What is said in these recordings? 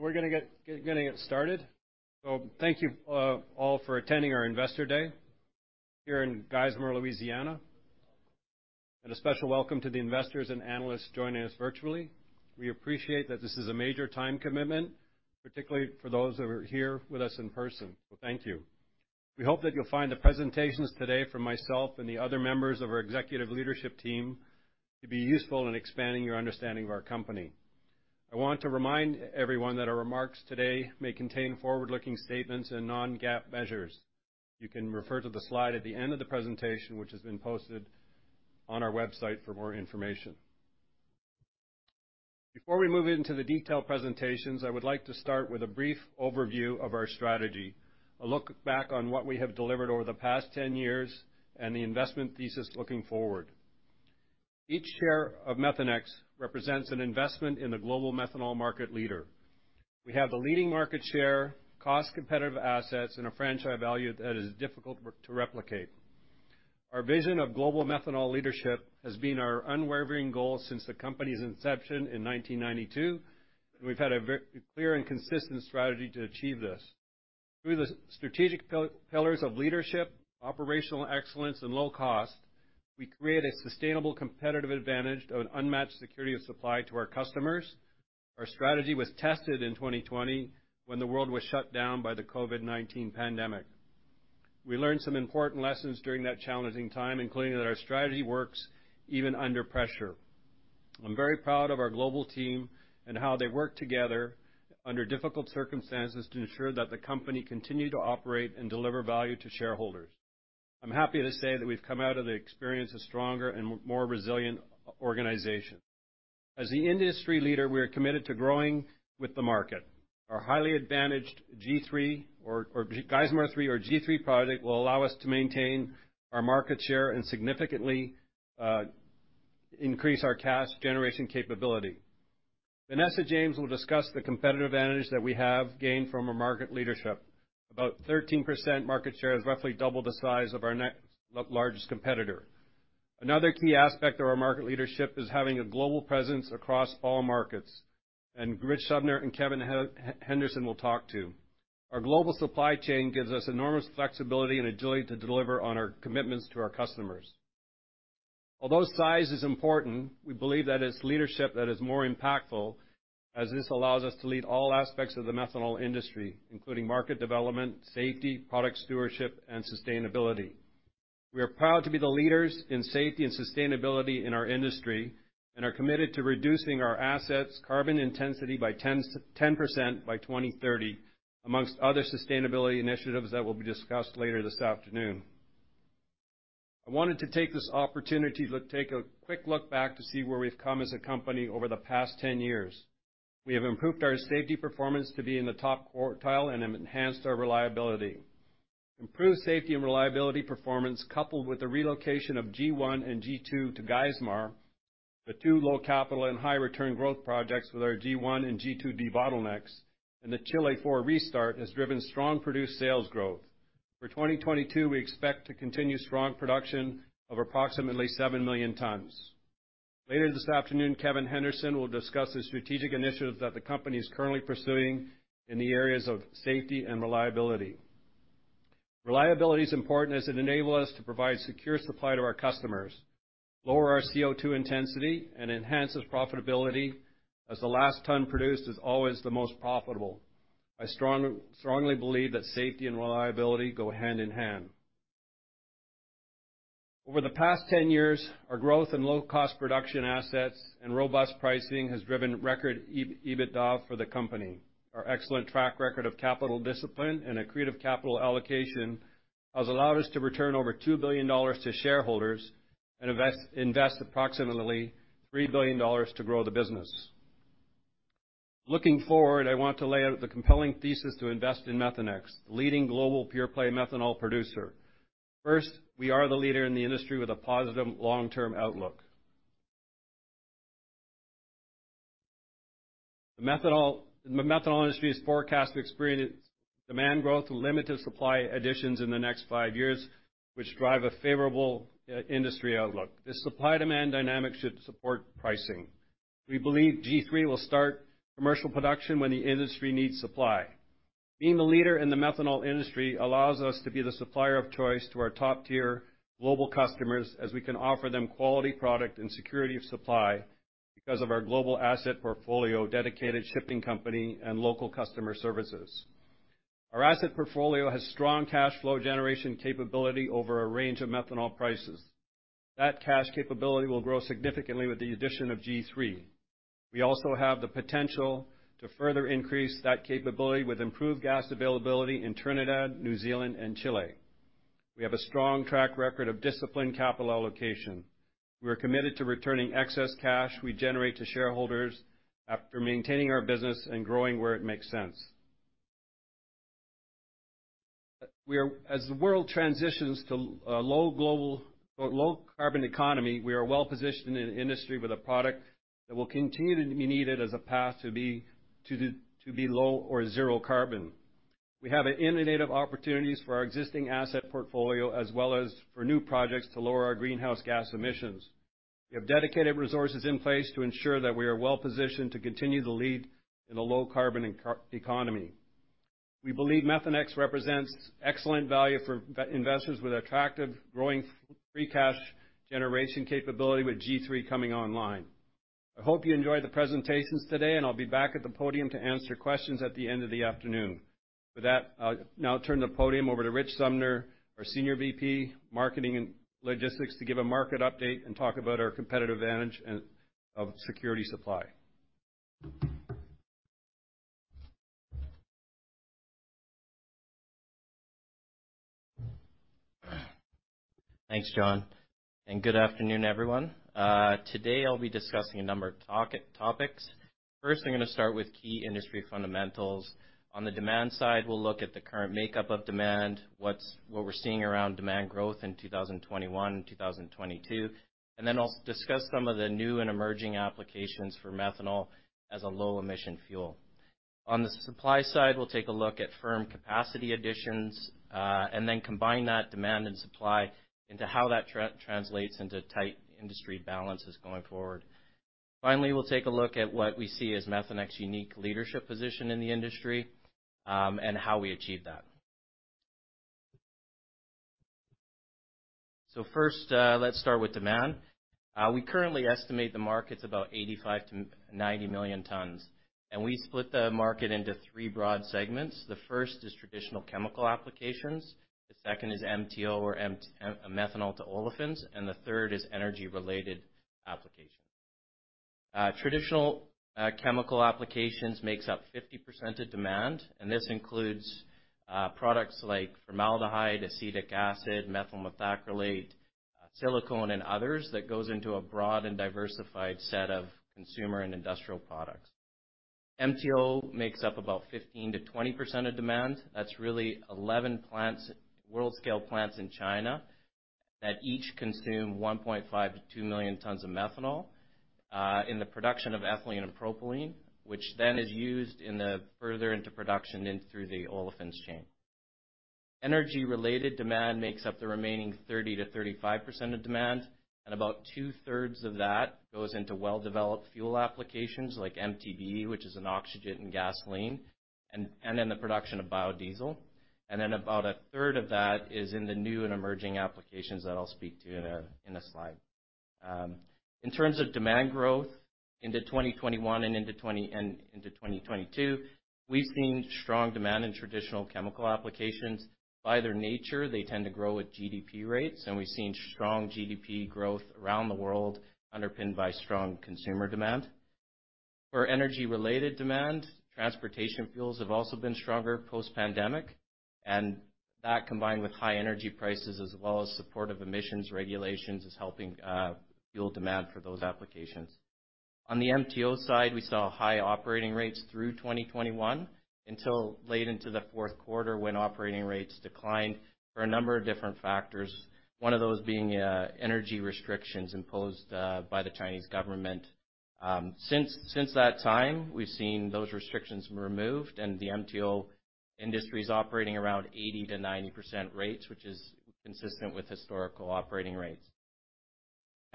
We're gonna get it started. Thank you all for attending our Investor Day here in Geismar, Louisiana. A special welcome to the investors and analysts joining us virtually. We appreciate that this is a major time commitment, particularly for those that are here with us in person. Thank you. We hope that you'll find the presentations today from myself and the other members of our executive leadership team to be useful in expanding your understanding of our company. I want to remind everyone that our remarks today may contain forward-looking statements and non-GAAP measures. You can refer to the slide at the end of the presentation, which has been posted on our website for more information. Before we move into the detailed presentations, I would like to start with a brief overview of our strategy, a look back on what we have delivered over the past 10 years, and the investment thesis looking forward. Each share of Methanex represents an investment in the global methanol market leader. We have the leading market share, cost-competitive assets, and a franchise value that is difficult to replicate. Our vision of global methanol leadership has been our unwavering goal since the company's inception in 1992, and we've had a clear and consistent strategy to achieve this. Through the strategic pillars of leadership, operational excellence, and low cost, we create a sustainable competitive advantage of unmatched security of supply to our customers. Our strategy was tested in 2020 when the world was shut down by the COVID-19 pandemic. We learned some important lessons during that challenging time, including that our strategy works even under pressure. I'm very proud of our global team and how they worked together under difficult circumstances to ensure that the company continued to operate and deliver value to shareholders. I'm happy to say that we've come out of the experience a stronger and more resilient organization. As the industry leader, we are committed to growing with the market. Our highly advantaged G3 or Geismar 3 project will allow us to maintain our market share and significantly increase our cash generation capability. Vanessa James will discuss the competitive advantage that we have gained from our market leadership. About 13% market share is roughly double the size of our largest competitor. Another key aspect of our market leadership is having a global presence across all markets, and Rich Sumner and Kevin Henderson will talk to. Our global supply chain gives us enormous flexibility and agility to deliver on our commitments to our customers. Although size is important, we believe that it's leadership that is more impactful as this allows us to lead all aspects of the methanol industry, including market development, safety, product stewardship, and sustainability. We are proud to be the leaders in safety and sustainability in our industry and are committed to reducing our assets' carbon intensity by 10% by 2030, among other sustainability initiatives that will be discussed later this afternoon. I wanted to take this opportunity to take a quick look back to see where we've come as a company over the past 10 years. We have improved our safety performance to be in the top quartile and have enhanced our reliability. Improved safety and reliability performance, coupled with the relocation of G1 and G2 to Geismar, the two low capital and high return growth projects with our G1 and G2 debottlenecks, and the Chile IV restart, has driven strong produced sales growth. For 2022, we expect to continue strong production of approximately 7 million tons. Later this afternoon, Kevin Henderson will discuss the strategic initiatives that the company is currently pursuing in the areas of safety and reliability. Reliability is important as it enables us to provide secure supply to our customers, lower our CO2 intensity, and enhance profitability, as the last ton produced is always the most profitable. I strongly believe that safety and reliability go hand in hand. Over the past 10 years, our growth in low-cost production assets and robust pricing has driven record EBITDA for the company. Our excellent track record of capital discipline and accretive capital allocation has allowed us to return over $2 billion to shareholders and invest approximately $3 billion to grow the business. Looking forward, I want to lay out the compelling thesis to invest in Methanex, the leading global pure-play methanol producer. First, we are the leader in the industry with a positive long-term outlook. The methanol industry is forecast to experience demand growth and limited supply additions in the next five years, which drive a favorable industry outlook. This supply-demand dynamic should support pricing. We believe G3 will start commercial production when the industry needs supply. Being the leader in the methanol industry allows us to be the supplier of choice to our top-tier global customers as we can offer them quality product and security of supply because of our global asset portfolio, dedicated shipping company, and local customer services. Our asset portfolio has strong cash flow generation capability over a range of methanol prices. That cash capability will grow significantly with the addition of G3. We also have the potential to further increase that capability with improved gas availability in Trinidad, New Zealand, and Chile. We have a strong track record of disciplined capital allocation. We are committed to returning excess cash we generate to shareholders after maintaining our business and growing where it makes sense. As the world transitions to a low carbon economy, we are well-positioned in an industry with a product that will continue to be needed as a path to be low or zero carbon. We have an innovative opportunities for our existing asset portfolio, as well as for new projects to lower our greenhouse gas emissions. We have dedicated resources in place to ensure that we are well-positioned to continue the lead in a low carbon economy. We believe Methanex represents excellent value for value investors with attractive growing free cash generation capability with G3 coming online. I hope you enjoyed the presentations today, and I'll be back at the podium to answer questions at the end of the afternoon. For that, I'll now turn the podium over to Rich Sumner, our Senior VP Marketing and Logistics, to give a market update and talk about our competitive advantage and our security of supply. Thanks, John, and good afternoon, everyone. Today, I'll be discussing a number of topics. First, I'm gonna start with key industry fundamentals. On the demand side, we'll look at the current makeup of demand, what we're seeing around demand growth in 2021 and 2022. Then I'll discuss some of the new and emerging applications for methanol as a low emission fuel. On the supply side, we'll take a look at firm capacity additions, and then combine that demand and supply into how that translates into tight industry balances going forward. Finally, we'll take a look at what we see as Methanex unique leadership position in the industry, and how we achieve that. First, let's start with demand. We currently estimate the market's about 85 million-90 million tons, and we split the market into three broad segments. The first is traditional chemical applications, the second is MTO or methanol to olefins, and the third is energy-related applications. Traditional chemical applications makes up 50% of demand, and this includes products like formaldehyde, acetic acid, methyl methacrylate, silicones, and others that goes into a broad and diversified set of consumer and industrial products. MTO makes up about 15%-20% of demand. That's really 11 plants, world-scale plants in China that each consume 1.5 million-2 million tons of methanol in the production of ethylene and propylene, which then is used in the further into production in through the olefins chain. Energy-related demand makes up the remaining 30%-35% of demand, and about 2/3 of that goes into well-developed fuel applications like MTBE, which is an oxygenate in gasoline, and in the production of biodiesel. About a third of that is in the new and emerging applications that I'll speak to in a slide. In terms of demand growth into 2021 and into 2022, we've seen strong demand in traditional chemical applications. By their nature, they tend to grow at GDP rates, and we've seen strong GDP growth around the world underpinned by strong consumer demand. For energy-related demand, transportation fuels have also been stronger post-pandemic, and that combined with high energy prices as well as supportive emissions regulations is helping fuel demand for those applications. On the MTO side, we saw high operating rates through 2021 until late into the fourth quarter when operating rates declined for a number of different factors. One of those being energy restrictions imposed by the Chinese government. Since that time, we've seen those restrictions removed, and the MTO industry's operating around 80%-90% rates, which is consistent with historical operating rates.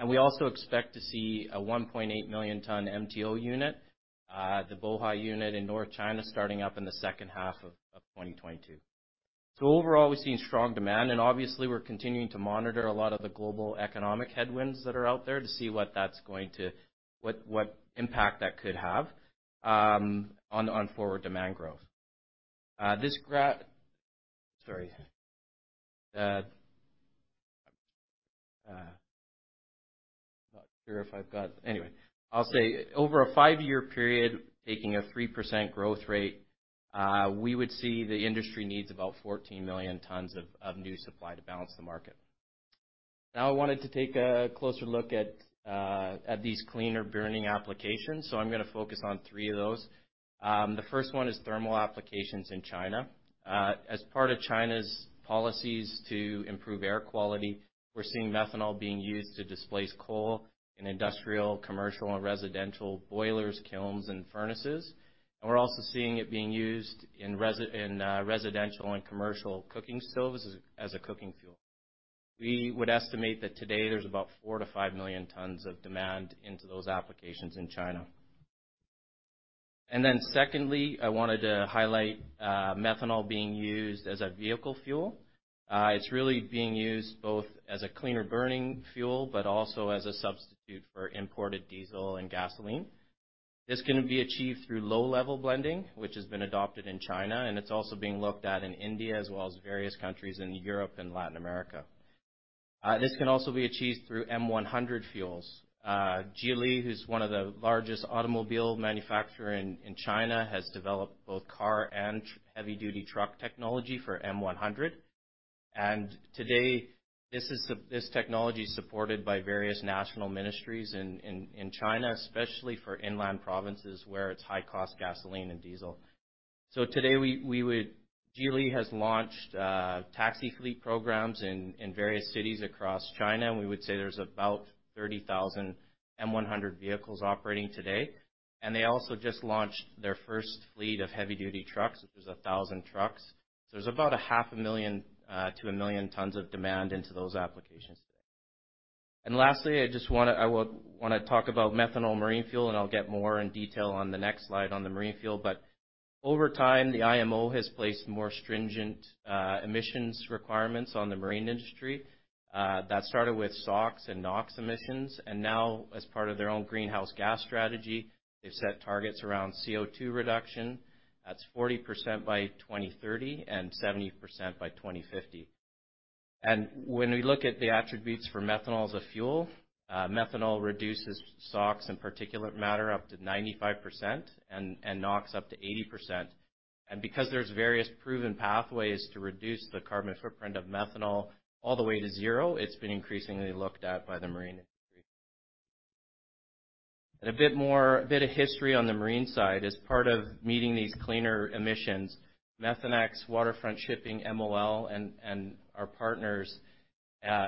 We also expect to see a 1.8 million-ton MTO unit, the Bohai unit in North China, starting up in the second half of 2022. Overall, we're seeing strong demand, and obviously, we're continuing to monitor a lot of the global economic headwinds that are out there to see what impact that could have on forward demand growth. Anyway, I'll say over a five-year period, taking a 3% growth rate, we would see the industry needs about 14 million tons of new supply to balance the market. Now, I wanted to take a closer look at these cleaner burning applications, so I'm gonna focus on three of those. The first one is thermal applications in China. As part of China's policies to improve air quality, we're seeing methanol being used to displace coal in industrial, commercial, and residential boilers, kilns, and furnaces. We're also seeing it being used in residential and commercial cooking stoves as a cooking fuel. We would estimate that today there's about 4 million-5 million tons of demand into those applications in China. Then secondly, I wanted to highlight, methanol being used as a vehicle fuel. It's really being used both as a cleaner burning fuel, but also as a substitute for imported diesel and gasoline. This can be achieved through low-level blending, which has been adopted in China, and it's also being looked at in India as well as various countries in Europe and Latin America. This can also be achieved through M100 fuels. Geely, who's one of the largest automobile manufacturer in China, has developed both car and heavy-duty truck technology for M100. Today, this technology is supported by various national ministries in China, especially for inland provinces where it's high cost, gasoline, and diesel. Today, we would...Geely has launched taxi fleet programs in various cities across China, and we would say there's about 30,000 M100 vehicles operating today. They also just launched their first fleet of heavy-duty trucks, which is 1,000 trucks. There's about half million to 1 million tons of demand into those applications today. Lastly, I want to talk about methanol marine fuel, and I'll get more detail on the next slide on the marine fuel. Over time, the IMO has placed more stringent emissions requirements on the marine industry that started with SOx and NOx emissions. Now, as part of their own greenhouse gas strategy, they've set targets around CO2 reduction. That's 40% by 2030 and 70% by 2050. When we look at the attributes for methanol as a fuel, methanol reduces SOx and particulate matter up to 95% and NOx up to 80%. Because there's various proven pathways to reduce the carbon footprint of methanol all the way to zero, it's been increasingly looked at by the marine industry. A bit of history on the marine side. As part of meeting these cleaner emissions, Methanex, Waterfront Shipping, MOL and our partners,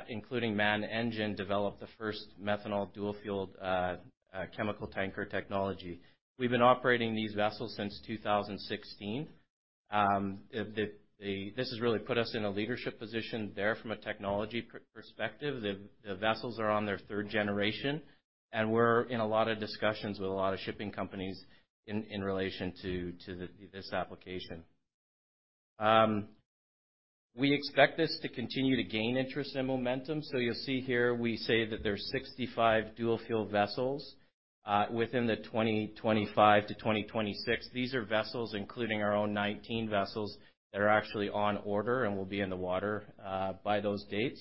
including MAN Energy Solutions, developed the first methanol dual-fueled chemical tanker technology. We've been operating these vessels since 2016. This has really put us in a leadership position there from a technology perspective. The vessels are on their third generation, and we're in a lot of discussions with a lot of shipping companies in relation to this application. We expect this to continue to gain interest and momentum. You'll see here we say that there's 65 dual-fuel vessels within the 2025-2026. These are vessels, including our own 19 vessels that are actually on order and will be in the water by those dates.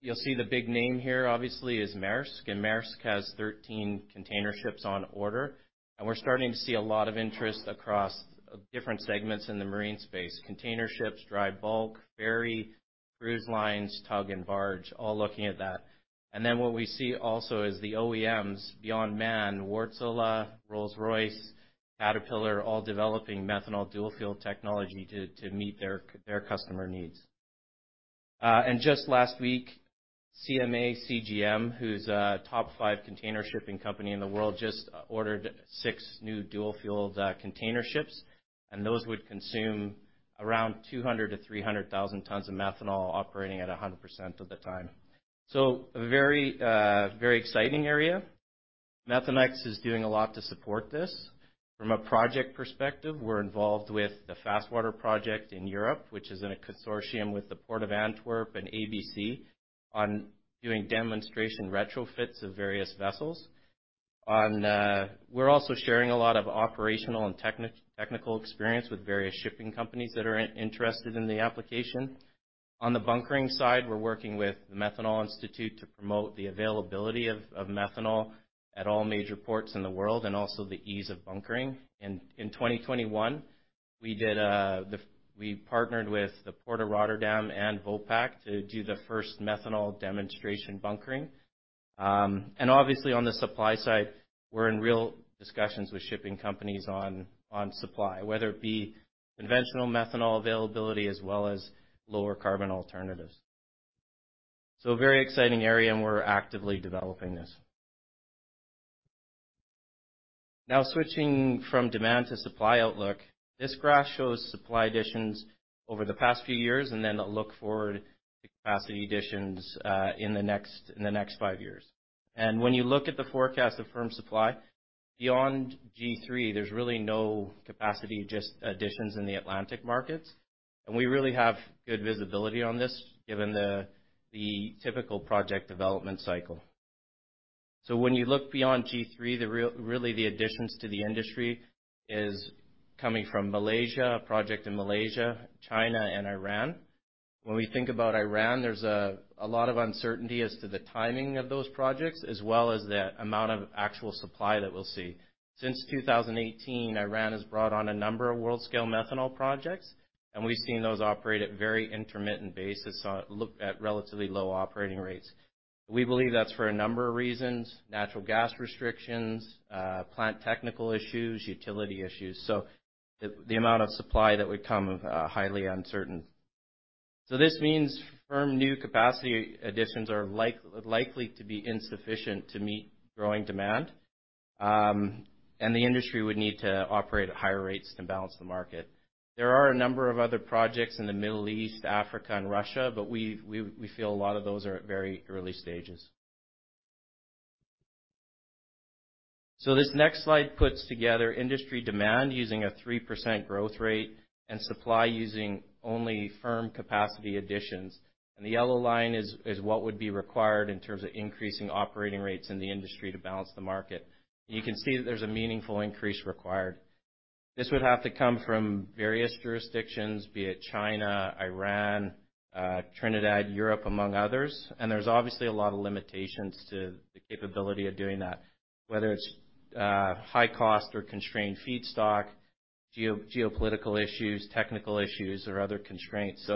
You'll see the big name here obviously is Maersk, and Maersk has 13 container ships on order. We're starting to see a lot of interest across different segments in the marine space. Container ships, dry bulk, ferry, cruise lines, tug and barge, all looking at that. What we see also is the OEMs beyond MAN, Wärtsilä, Rolls-Royce, Caterpillar, all developing methanol dual-fuel technology to meet their customer needs. Just last week, CMA CGM, who's a top five container shipping company in the world, just ordered 6 new dual-fueled container ships, and those would consume around 200,000-300,000 tons of methanol operating at 100% of the time. A very exciting area. Methanex is doing a lot to support this. From a project perspective, we're involved with the FASTWATER project in Europe, which is in a consortium with the Port of Antwerp and ABC on doing demonstration retrofits of various vessels. We're also sharing a lot of operational and technical experience with various shipping companies that are interested in the application. On the bunkering side, we're working with the Methanol Institute to promote the availability of methanol at all major ports in the world and also the ease of bunkering. In 2021, we partnered with the Port of Rotterdam and Vopak to do the first methanol demonstration bunkering. Obviously on the supply side, we're in real discussions with shipping companies on supply, whether it be conventional methanol availability as well as lower carbon alternatives. A very exciting area, and we're actively developing this. Now, switching from demand to supply outlook. This graph shows supply additions over the past few years, and then a look forward to capacity additions in the next five years. When you look at the forecast of firm supply, beyond G3, there's really no capacity additions in the Atlantic markets. We really have good visibility on this given the typical project development cycle. When you look beyond G3, really the additions to the industry is coming from Malaysia, a project in Malaysia, China and Iran. When we think about Iran, there's a lot of uncertainty as to the timing of those projects, as well as the amount of actual supply that we'll see. Since 2018, Iran has brought on a number of world-scale methanol projects, and we've seen those operate at very intermittent basis, look at relatively low operating rates. We believe that's for a number of reasons, natural gas restrictions, plant technical issues, utility issues. The amount of supply that would come on, highly uncertain. This means firm new capacity additions are likely to be insufficient to meet growing demand, and the industry would need to operate at higher rates to balance the market. There are a number of other projects in the Middle East, Africa and Russia, but we feel a lot of those are at very early stages. This next slide puts together industry demand using a 3% growth rate and supply using only firm capacity additions. The yellow line is what would be required in terms of increasing operating rates in the industry to balance the market. You can see that there's a meaningful increase required. This would have to come from various jurisdictions, be it China, Iran, Trinidad, Europe, among others. There's obviously a lot of limitations to the capability of doing that, whether it's high cost or constrained feedstock, geopolitical issues, technical issues or other constraints.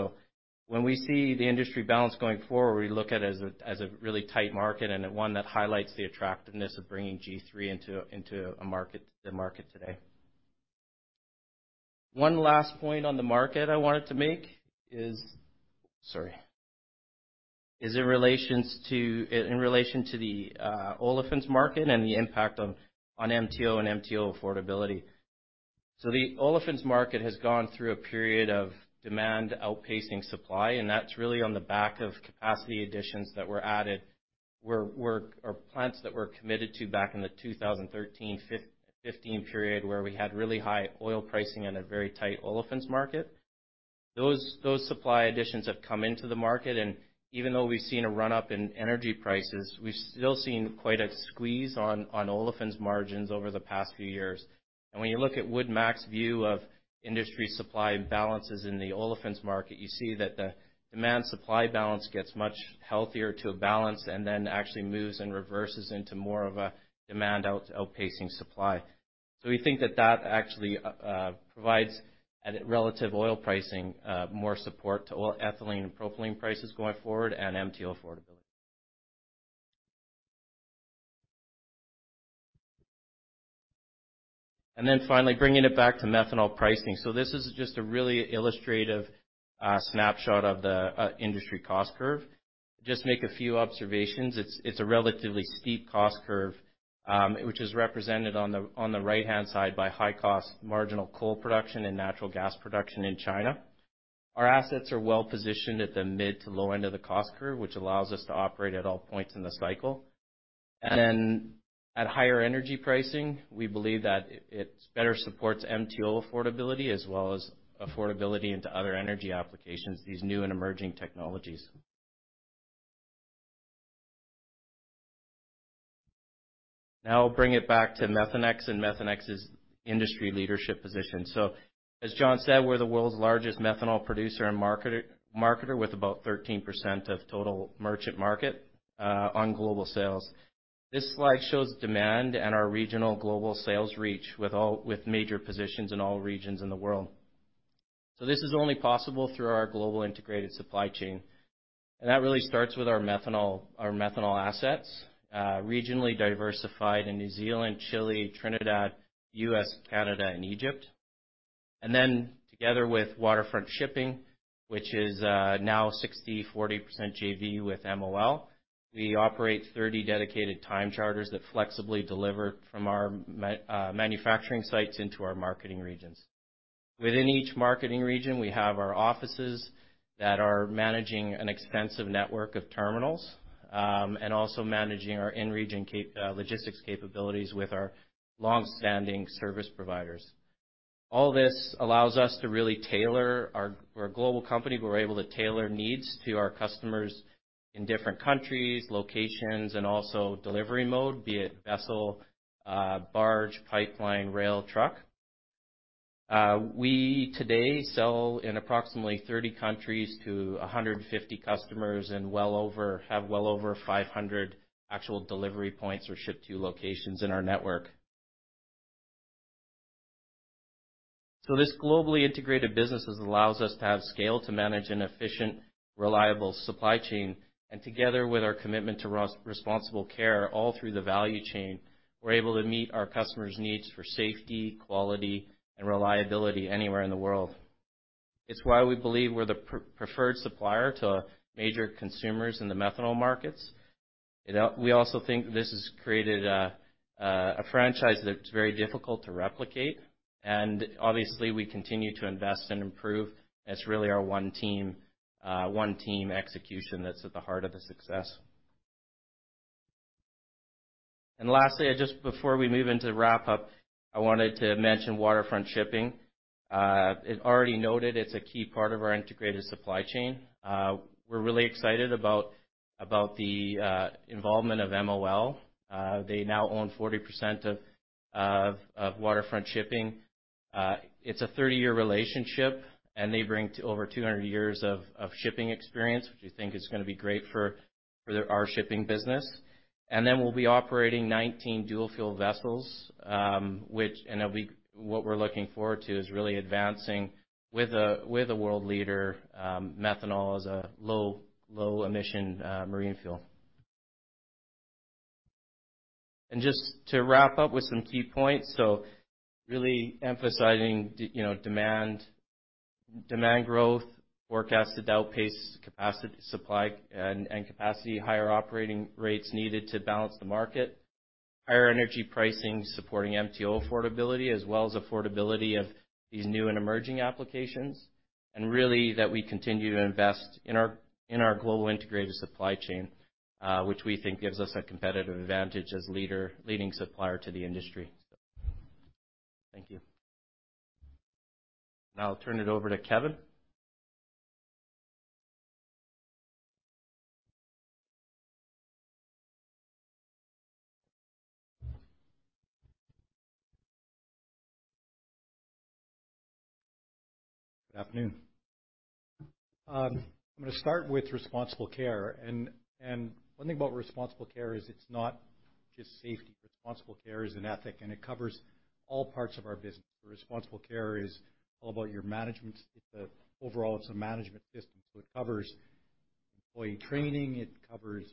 When we see the industry balance going forward, we look at it as a really tight market and one that highlights the attractiveness of bringing G3 into the market today. One last point on the market I wanted to make is in relation to the olefins market and the impact on MTO and MTO affordability. The olefins market has gone through a period of demand outpacing supply, and that's really on the back of capacity additions that were added or plants that were committed to back in the 2013, 2015 period where we had really high oil pricing and a very tight olefins market. Those supply additions have come into the market, and even though we've seen a run-up in energy prices, we've still seen quite a squeeze on olefins margins over the past few years. When you look at Wood Mackenzie's view of industry supply balances in the olefins market, you see that the demand supply balance gets much healthier to a balance and then actually moves and reverses into more of a demand outpacing supply. We think that actually provides at a relative oil pricing more support to olefin ethylene and propylene prices going forward and MTO affordability. Finally bringing it back to methanol pricing. This is just a really illustrative snapshot of the industry cost curve. Just make a few observations. It's a relatively steep cost curve, which is represented on the right-hand side by high cost marginal coal production and natural gas production in China. Our assets are well-positioned at the mid to low end of the cost curve, which allows us to operate at all points in the cycle. At higher energy pricing, we believe that it better supports MTO affordability as well as affordability into other energy applications, these new and emerging technologies. Now I'll bring it back to Methanex and Methanex's industry leadership position. As John said, we're the world's largest methanol producer and marketer with about 13% of total merchant market on global sales. This slide shows demand and our regional global sales reach with major positions in all regions in the world. This is only possible through our global integrated supply chain. That really starts with our methanol assets, regionally diversified in New Zealand, Chile, Trinidad, U.S., Canada, and Egypt. Together with Waterfront Shipping, which is now 60/40% JV with MOL, we operate 30 dedicated time charters that flexibly deliver from our manufacturing sites into our marketing regions. Within each marketing region, we have our offices that are managing an extensive network of terminals, and also managing our in-region logistics capabilities with our long-standing service providers. All this allows us to really tailor needs to our customers in different countries, locations, and also delivery mode, be it vessel, barge, pipeline, rail, truck. We're a global company. We today sell in approximately 30 countries to 150 customers and have well over 500 actual delivery points or ship to locations in our network. This globally integrated businesses allows us to have scale to manage an efficient, reliable supply chain. Together with our commitment to Responsible Care all through the value chain, we're able to meet our customers' needs for safety, quality, and reliability anywhere in the world. It's why we believe we're the preferred supplier to major consumers in the methanol markets. You know, we also think this has created a franchise that's very difficult to replicate, and obviously we continue to invest and improve. It's really our one team execution that's at the heart of the success. Lastly, just before we move into the wrap up, I wanted to mention Waterfront Shipping. It's already noted it's a key part of our integrated supply chain. We're really excited about the involvement of MOL. They now own 40% of Waterfront Shipping. It's a 30-year relationship, and they bring over 200 years of shipping experience, which we think is gonna be great for our shipping business. We'll be operating 19 dual fuel vessels, what we're looking forward to is really advancing with a world leader, methanol as a low emission marine fuel. Just to wrap up with some key points. Really emphasizing you know, demand growth forecasted to outpace capacity, supply and capacity, higher operating rates needed to balance the market. Higher energy pricing supporting MTO affordability as well as affordability of these new and emerging applications. Really that we continue to invest in our global integrated supply chain, which we think gives us a competitive advantage as leading supplier to the industry. Thank you. Now I'll turn it over to Kevin. Good afternoon. I'm gonna start with Responsible Care. One thing about Responsible Care is it's not just safety. Responsible Care is an ethic, and it covers all parts of our business. Responsible Care is all about your management. It's the overall, it's a management system. It covers employee training, it covers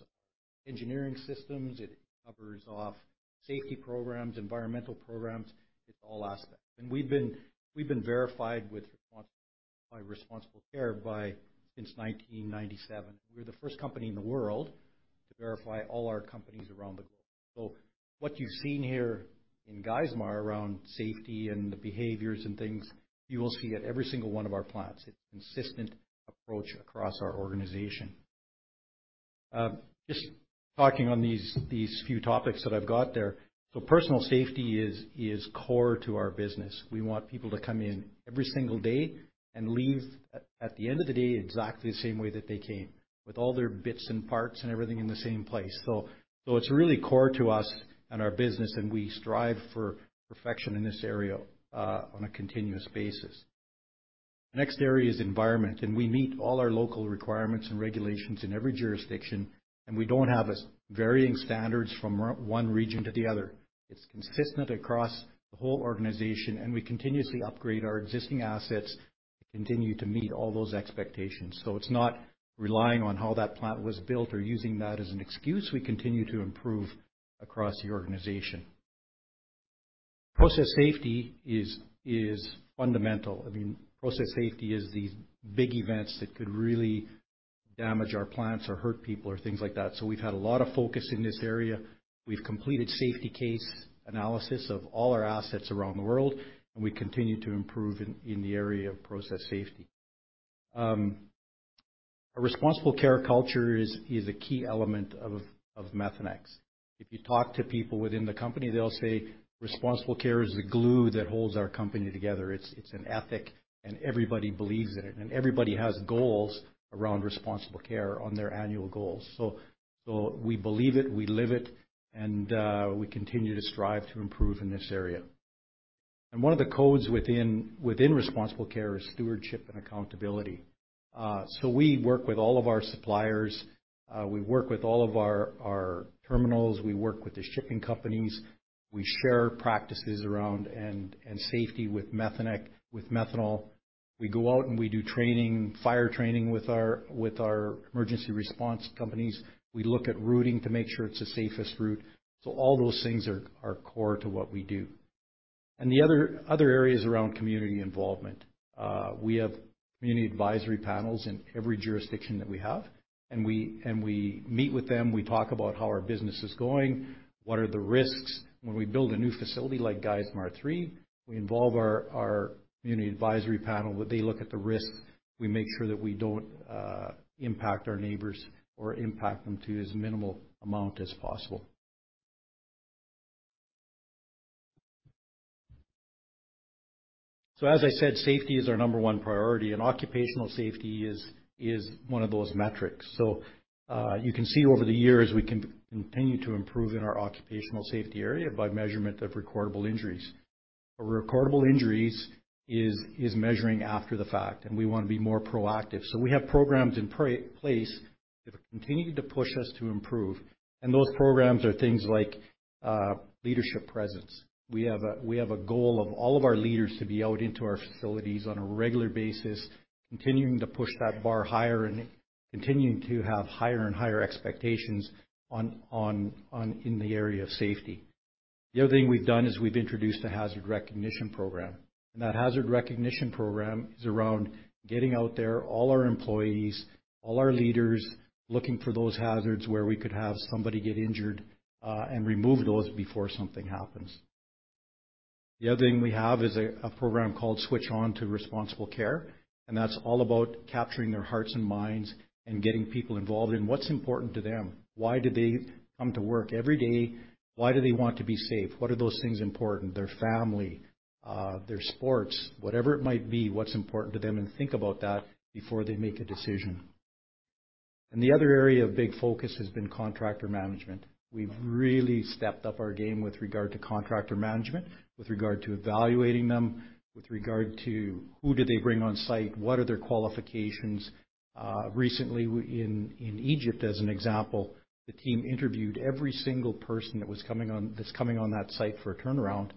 engineering systems, it covers off safety programs, environmental programs. It's all aspects. We've been verified by Responsible Care since 1997. We're the first company in the world to verify all our companies around the globe. What you've seen here in Geismar around safety and the behaviors and things, you will see at every single one of our plants. It's consistent approach across our organization. Just talking on these few topics that I've got there. Personal safety is core to our business. We want people to come in every single day and leave at the end of the day exactly the same way that they came, with all their bits and parts and everything in the same place. It's really core to us and our business, and we strive for perfection in this area on a continuous basis. The next area is environment, and we meet all our local requirements and regulations in every jurisdiction, and we don't have varying standards from one region to the other. It's consistent across the whole organization, and we continuously upgrade our existing assets to continue to meet all those expectations. It's not relying on how that plant was built or using that as an excuse. We continue to improve across the organization. Process safety is fundamental. I mean, process safety is these big events that could really damage our plants or hurt people or things like that. We've had a lot of focus in this area. We've completed safety case analysis of all our assets around the world, and we continue to improve in the area of process safety. A Responsible Care culture is a key element of Methanex. If you talk to people within the company, they'll say Responsible Care is the glue that holds our company together. It's an ethic, and everybody believes in it, and everybody has goals around Responsible Care on their annual goals. We believe it, we live it, and we continue to strive to improve in this area. One of the codes within Responsible Care is stewardship and accountability. We work with all of our suppliers. We work with all of our terminals. We work with the shipping companies. We share practices around safety with Methanex, with methanol. We go out, and we do training, fire training with our emergency response companies. We look at routing to make sure it's the safest route. All those things are core to what we do. The other areas around community involvement. We have community advisory panels in every jurisdiction that we have, and we meet with them. We talk about how our business is going, what are the risks. When we build a new facility like Geismar 3, we involve our community advisory panel, where they look at the risk. We make sure that we don't impact our neighbors or impact them to as minimal amount as possible. As I said, safety is our number one priority, and occupational safety is one of those metrics. You can see over the years, we continue to improve in our occupational safety area by measurement of recordable injuries. Recordable injuries is measuring after the fact, and we wanna be more proactive. We have programs in place that are continuing to push us to improve, and those programs are things like leadership presence. We have a goal of all of our leaders to be out into our facilities on a regular basis, continuing to push that bar higher and continuing to have higher and higher expectations on in the area of safety. The other thing we've done is we've introduced a hazard recognition program. That hazard recognition program is around getting out there, all our employees, all our leaders, looking for those hazards where we could have somebody get injured, and remove those before something happens. The other thing we have is a program called "Switch On" to Responsible Care, and that's all about capturing their hearts and minds and getting people involved in what's important to them. Why do they come to work every day? Why do they want to be safe? What are those things important? Their family, their sports, whatever it might be, what's important to them, and think about that before they make a decision. The other area of big focus has been contractor management. We've really stepped up our game with regard to contractor management, with regard to evaluating them, with regard to who do they bring on site, what are their qualifications. Recently in Egypt, as an example, the team interviewed every single person that's coming on that site for a turnaround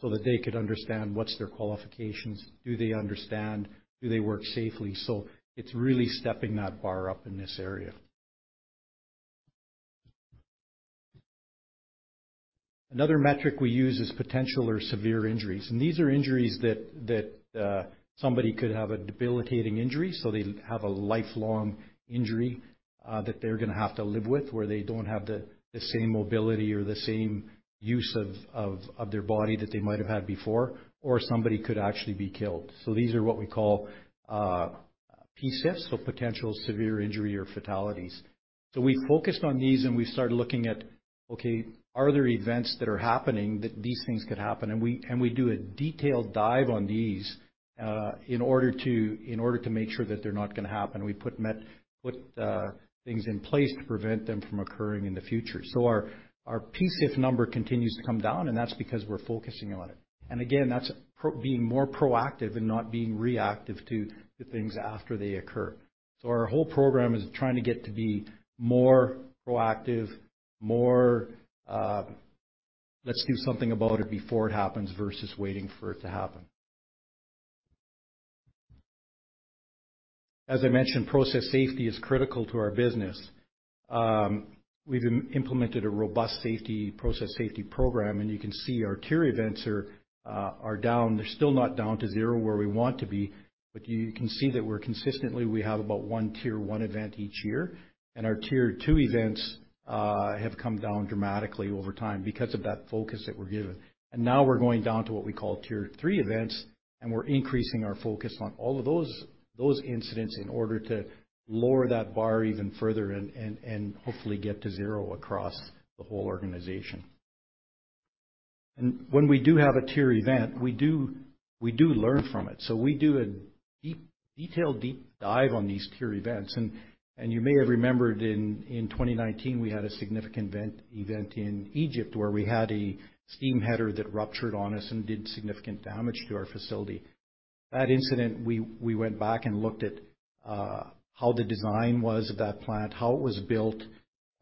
so that they could understand what's their qualifications. Do they understand? Do they work safely? It's really stepping that bar up in this area. Another metric we use is potential or severe injuries, and these are injuries that somebody could have a debilitating injury, so they have a lifelong injury that they're gonna have to live with, where they don't have the same mobility or the same use of their body that they might have had before, or somebody could actually be killed. These are what we call PSIFs, so potential severe injury or fatalities. We focused on these, and we started looking at, are there events that are happening that these things could happen? We do a detailed dive on these in order to make sure that they're not gonna happen. We put things in place to prevent them from occurring in the future. Our PSIF number continues to come down, and that's because we're focusing on it. Again, that's being more proactive and not being reactive to the things after they occur. Our whole program is trying to get to be more proactive, let's do something about it before it happens versus waiting for it to happen. As I mentioned, process safety is critical to our business. We've implemented a robust safety, process safety program, and you can see our tier events are down. They're still not down to zero where we want to be, but you can see that we consistently have about one tier one event each year, and our tier two events have come down dramatically over time because of that focus that we're giving. Now we're going down to what we call tier three events, and we're increasing our focus on all of those incidents in order to lower that bar even further and hopefully get to zero across the whole organization. When we do have a tier event, we learn from it. We do a detailed deep dive on these tier events. You may have remembered in 2019, we had a significant event in Egypt where we had a steam header that ruptured on us and did significant damage to our facility. That incident, we went back and looked at how the design was of that plant, how it was built,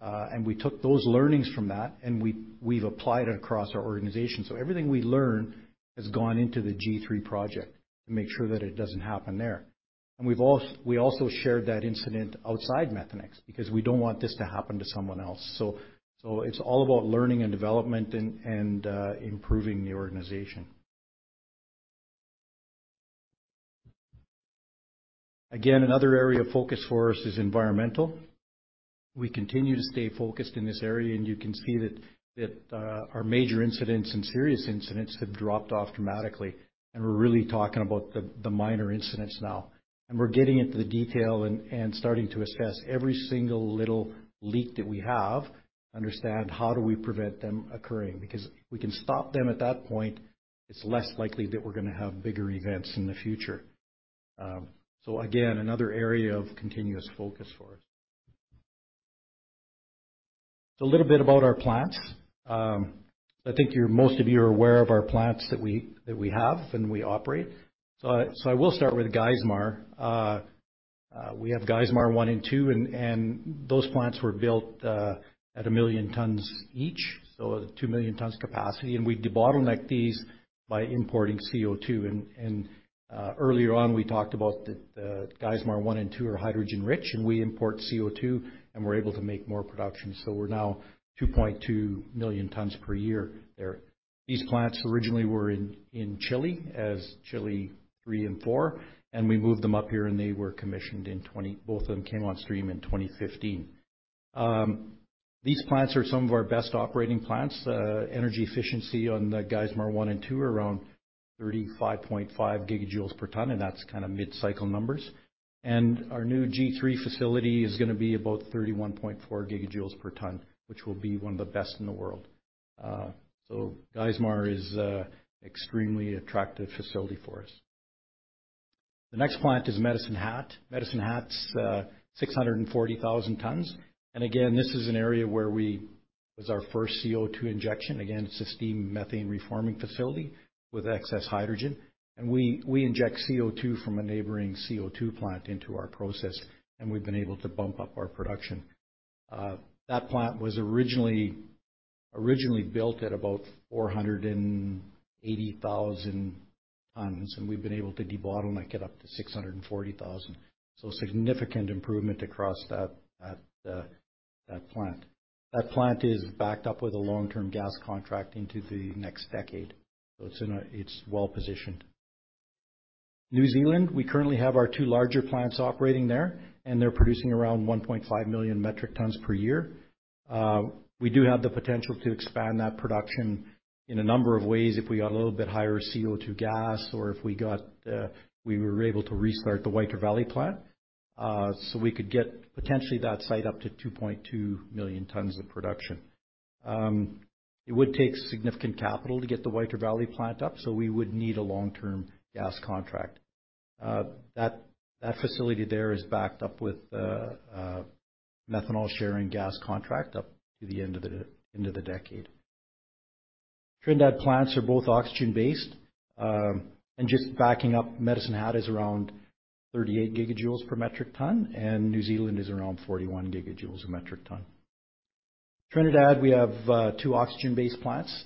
and we took those learnings from that, and we've applied it across our organization. Everything we learn has gone into the G3 project to make sure that it doesn't happen there. We've also shared that incident outside Methanex because we don't want this to happen to someone else. It's all about learning and development and improving the organization. Again, another area of focus for us is environmental. We continue to stay focused in this area, and you can see that our major incidents and serious incidents have dropped off dramatically. We're really talking about the minor incidents now. We're getting into the detail and starting to assess every single little leak that we have, understand how do we prevent them occurring. Because if we can stop them at that point, it's less likely that we're gonna have bigger events in the future. Again, another area of continuous focus for us. A little bit about our plants. I think most of you are aware of our plants that we have and we operate. I will start with Geismar. We have Geismar 1 and 2, and those plants were built at 1 million tons each, so 2 million tons capacity, and we debottleneck these by importing CO2. Earlier on, we talked about that, Geismar 1 and 2 are hydrogen rich, and we import CO2, and we're able to make more production. We're now 2.2 million tons per year there. These plants originally were in Chile as Chile III and IV, and we moved them up here, and they were commissioned, both of them came on stream in 2015. These plants are some of our best operating plants. Energy efficiency on the Geismar 1 and 2 are around 35.5 gigajoules per ton, and that's kinda mid-cycle numbers. Our new G3 facility is gonna be about 31.4 gigajoules per ton, which will be one of the best in the world. Geismar is an extremely attractive facility for us. The next plant is Medicine Hat. Medicine Hat's 640,000 tons. Again, this is an area where we was our first CO2 injection. Again, it's a steam methane reforming facility with excess hydrogen. We inject CO2 from a neighboring CO2 plant into our process, and we've been able to bump up our production. That plant was originally built at about 480,000 tons, and we've been able to debottleneck it up to 640,000. Significant improvement across that plant. That plant is backed up with a long-term gas contract into the next decade. It's well-positioned. New Zealand, we currently have our two larger plants operating there, and they're producing around 1.5 million metric tons per year. We do have the potential to expand that production in a number of ways if we got a little bit higher CO2 gas or if we were able to restart the Waitara Valley plant. We could get potentially that site up to 2.2 million tons of production. It would take significant capital to get the Waitara Valley plant up, so we would need a long-term gas contract. That facility there is backed up with a methanol sharing gas contract up to the end of the decade. Trinidad plants are both oxygen-based. Just backing up, Medicine Hat is around 38 gigajoules per metric ton, and New Zealand is around 41 gigajoules a metric ton. Trinidad, we have two oxygen-based plants.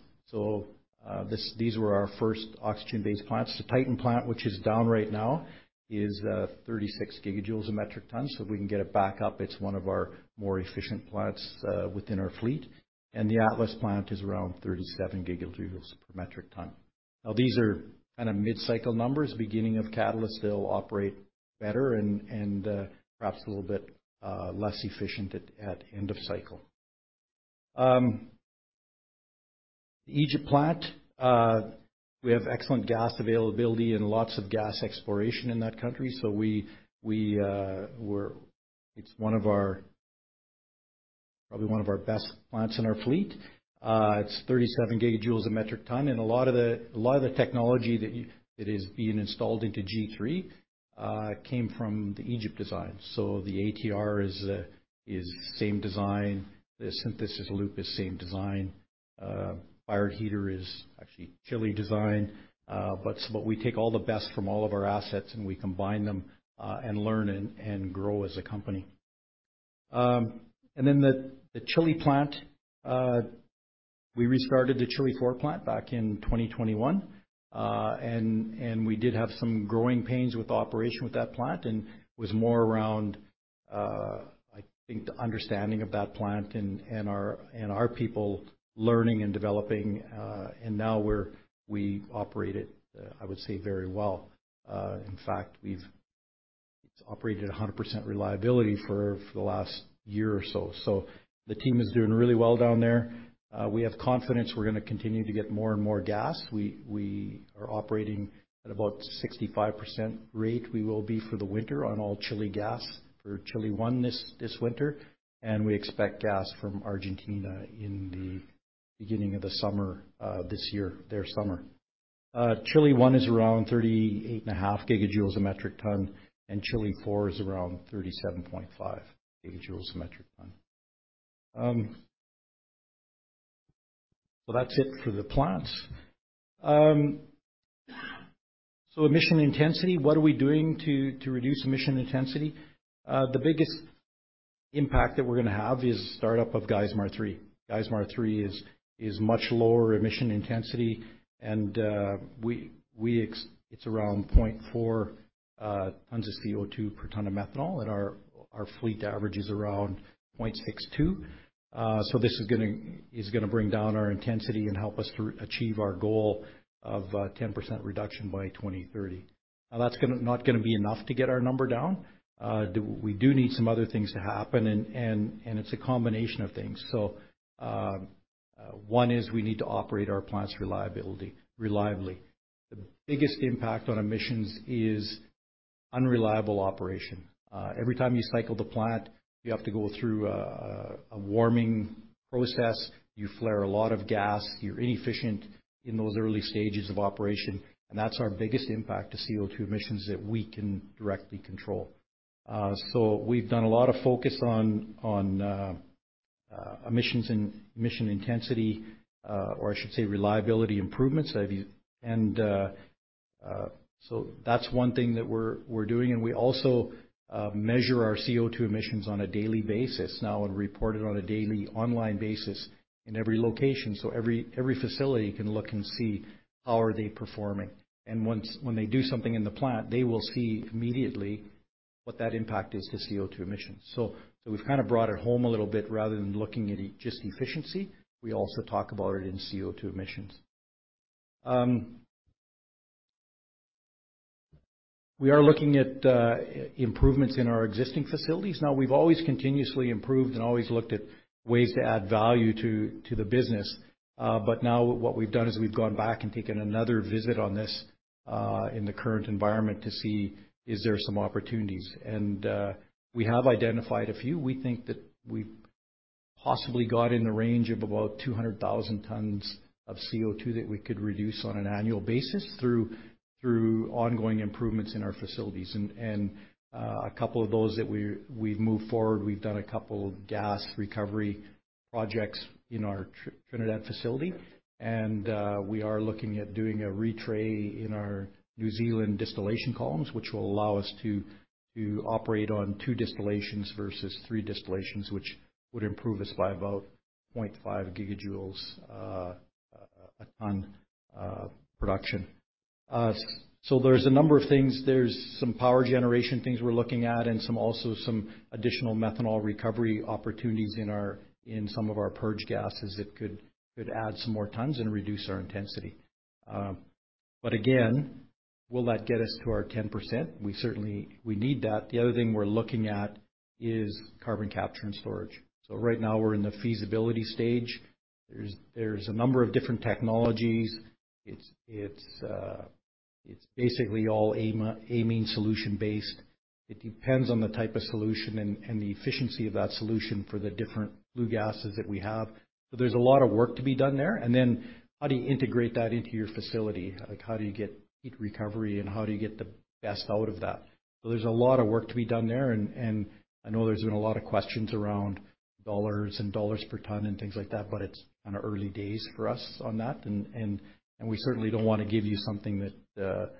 These were our first oxygen-based plants. The Titan plant, which is down right now, is 36 gigajoules a metric ton, so if we can get it back up, it's one of our more efficient plants within our fleet. The Atlas plant is around 37 gigajoules per metric ton. Now, these are kinda mid-cycle numbers. Beginning of catalyst, they'll operate better and perhaps a little bit less efficient at end of cycle. The Egypt plant, we have excellent gas availability and lots of gas exploration in that country. It's probably one of our best plants in our fleet. It's 37 gigajoules a metric ton, and a lot of the technology that is being installed into G3 came from the Egypt design. The ATR is same design. The synthesis loop is same design. Fired heater is actually Chile design. But we take all the best from all of our assets, and we combine them, and learn and grow as a company. The Chile plant, we restarted the Chile IV plant back in 2021. We did have some growing pains with operation with that plant, and it was more around, I think the understanding of that plant and our people learning and developing, and now we operate it, I would say, very well. In fact, it's operated at 100% reliability for the last year or so. The team is doing really well down there. We have confidence we're gonna continue to get more and more gas. We are operating at about 65% rate. We will be for the winter on all Chile gas for Chile One this winter, and we expect gas from Argentina in the beginning of the summer, this year, their summer. Chile One is around 38.5 gigajoules a metric ton, and Chile IV is around 37.5 gigajoules a metric ton. That's it for the plants. Emission intensity, what are we doing to reduce emission intensity? The biggest impact that we're gonna have is startup of Geismar 3. Geismar 3 is much lower emission intensity. It's around 0.4 tons of CO2 per ton of methanol, and our fleet averages around 0.62. This is gonna bring down our intensity and help us to achieve our goal of 10% reduction by 2030. Now, that's not gonna be enough to get our number down. We do need some other things to happen and it's a combination of things. One is we need to operate our plants reliably. The biggest impact on emissions is unreliable operation. Every time you cycle the plant, you have to go through a warming process. You flare a lot of gas. You're inefficient in those early stages of operation, and that's our biggest impact to CO2 emissions that we can directly control. We've done a lot of focus on emissions and emission intensity, or I should say reliability improvements. That's one thing that we're doing. We also measure our CO2 emissions on a daily basis now and report it on a daily online basis in every location. Every facility can look and see how they are performing. When they do something in the plant, they will see immediately what that impact is to CO2 emissions. We've kind of brought it home a little bit rather than looking at just efficiency. We also talk about it in CO2 emissions. We are looking at improvements in our existing facilities. Now we've always continuously improved and always looked at ways to add value to the business. Now what we've done is we've gone back and taken another visit on this in the current environment to see are there some opportunities. We have identified a few. We think that we've possibly got in the range of about 200,000 tons of CO2 that we could reduce on an annual basis through ongoing improvements in our facilities. A couple of those that we've moved forward, we've done a couple gas recovery projects in our Trinidad facility, and we are looking at doing a re-tray in our New Zealand distillation columns, which will allow us to operate on two distillations versus three distillations, which would improve us by about 0.5 gigajoules a ton production. There's a number of things. There's some power generation things we're looking at and some additional methanol recovery opportunities in some of our purge gases that could add some more tons and reduce our intensity. Again, will that get us to our 10%? We certainly need that. The other thing we're looking at is carbon capture and storage. Right now we're in the feasibility stage. There's a number of different technologies. It's basically all amine solution based. It depends on the type of solution and the efficiency of that solution for the different flue gases that we have, but there's a lot of work to be done there. How do you integrate that into your facility? How do you get heat recovery and how do you get the best out of that? There's a lot of work to be done there and I know there's been a lot of questions around dollars and dollars per ton and things like that, but it's kinda early days for us on that and we certainly don't wanna give you something that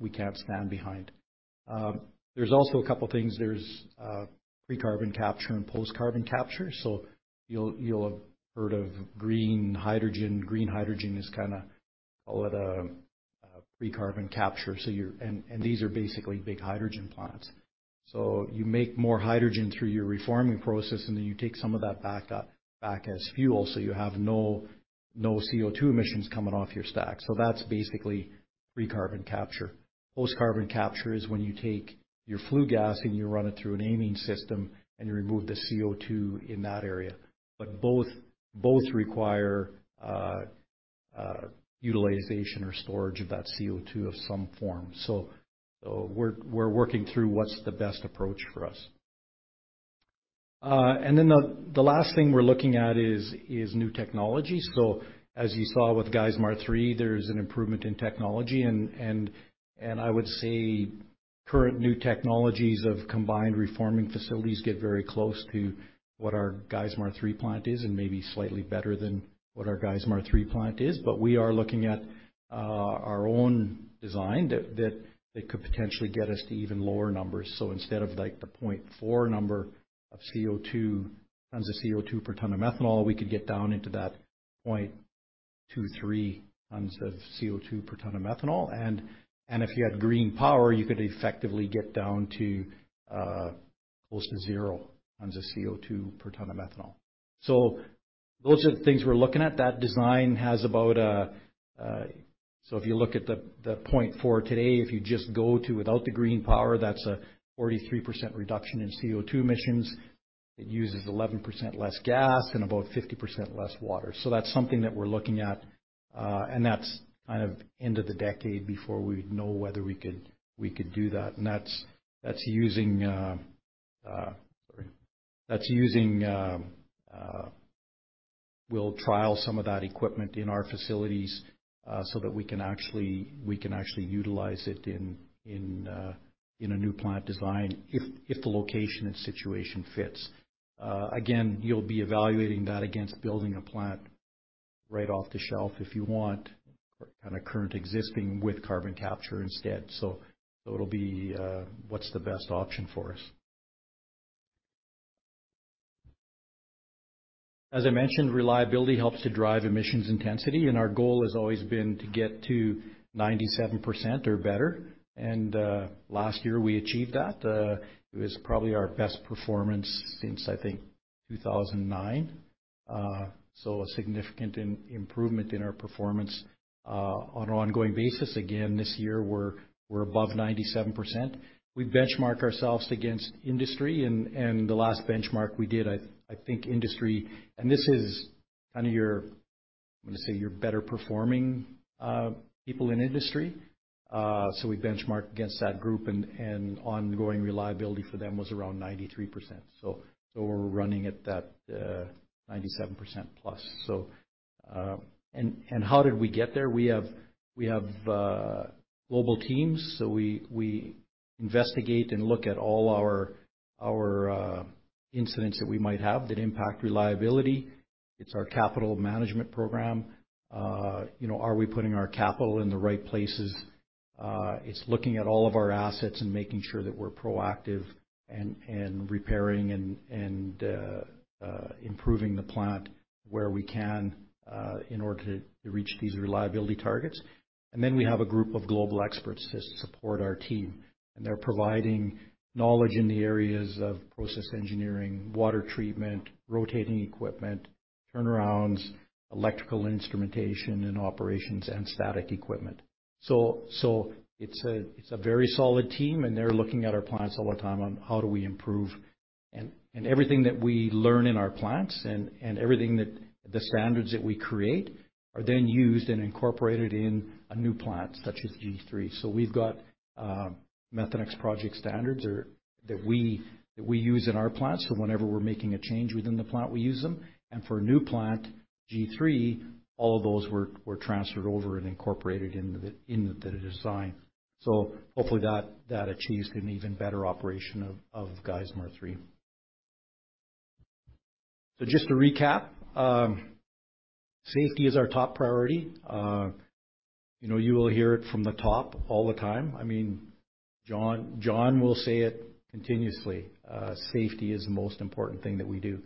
we can't stand behind. There's also a couple things. There's pre-carbon capture and post-carbon capture. You'll have heard of green hydrogen. Green hydrogen is kinda call it a pre-carbon capture. These are basically big hydrogen plants. You make more hydrogen through your reforming process, and then you take some of that back as fuel, so you have no CO2 emissions coming off your stack. That's basically pre-carbon capture. Post-carbon capture is when you take your flue gas and you run it through an amine system and you remove the CO2 in that area. Both require utilization or storage of that CO2 of some form. We're working through what's the best approach for us. The last thing we're looking at is new technology. As you saw with Geismar 3, there's an improvement in technology and I would say current new technologies of combined reforming facilities get very close to what our Geismar 3 plant is and maybe slightly better than what our Geismar 3 plant is. We are looking at our own design that could potentially get us to even lower numbers. Instead of like the 0.4 number of CO2 tons of CO2 per ton of methanol, we could get down into that 0.2-0.3 tons of CO2 per ton of methanol. If you had green power, you could effectively get down to close to zero tons of CO2 per ton of methanol. Those are the things we're looking at. That design has about a. If you look at the 0.4 today, if you just go to without the green power, that's a 43% reduction in CO2 emissions. It uses 11% less gas and about 50% less water. That's something that we're looking at, and that's kind of end of the decade before we'd know whether we could do that. That's using. That's using we'll trial some of that equipment in our facilities so that we can actually utilize it in a new plant design if the location and situation fits. Again, you'll be evaluating that against building a plant right off the shelf if you want kind of current existing with carbon capture instead. It'll be what's the best option for us. As I mentioned, reliability helps to drive emissions intensity, and our goal has always been to get to 97% or better. Last year, we achieved that. It was probably our best performance since, I think, 2009. So a significant improvement in our performance on an ongoing basis. Again, this year, we're above 97%. We benchmark ourselves against industry, and the last benchmark we did, I think industry. This is kind of your, I'm gonna say, your better performing people in industry. We benchmark against that group, and ongoing reliability for them was around 93%. We're running at that 97%+. How did we get there? We have global teams, so we investigate and look at all our incidents that we might have that impact reliability. It's our capital management program. You know, are we putting our capital in the right places? It's looking at all of our assets and making sure that we're proactive and repairing and improving the plant where we can in order to reach these reliability targets. We have a group of global experts to support our team, and they're providing knowledge in the areas of process engineering, water treatment, rotating equipment, turnarounds, electrical instrumentation and operations, and static equipment. It's a very solid team, and they're looking at our plants all the time on how do we improve. Everything that we learn in our plants and everything that the standards that we create are then used and incorporated in a new plant such as G3. We've got Methanex project standards that we use in our plants. Whenever we're making a change within the plant, we use them. For a new plant, G3, all of those were transferred over and incorporated into the design. Hopefully that achieves an even better operation of Geismar 3. Just to recap, safety is our top priority. You know, you will hear it from the top all the time. I mean, John will say it continuously, safety is the most important thing that we do.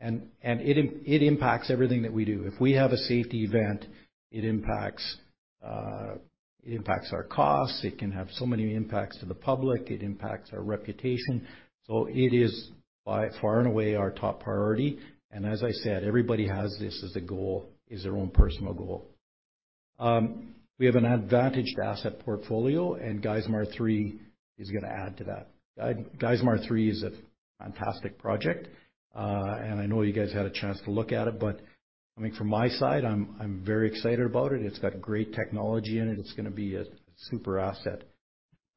It impacts everything that we do. If we have a safety event, it impacts our costs. It can have so many impacts to the public. It impacts our reputation. It is by far and away our top priority. As I said, everybody has this as a goal, as their own personal goal. We have an advantaged asset portfolio, and Geismar 3 is gonna add to that. Geismar 3 is a fantastic project, and I know you guys had a chance to look at it, but I mean, from my side, I'm very excited about it. It's got great technology in it. It's gonna be a super asset.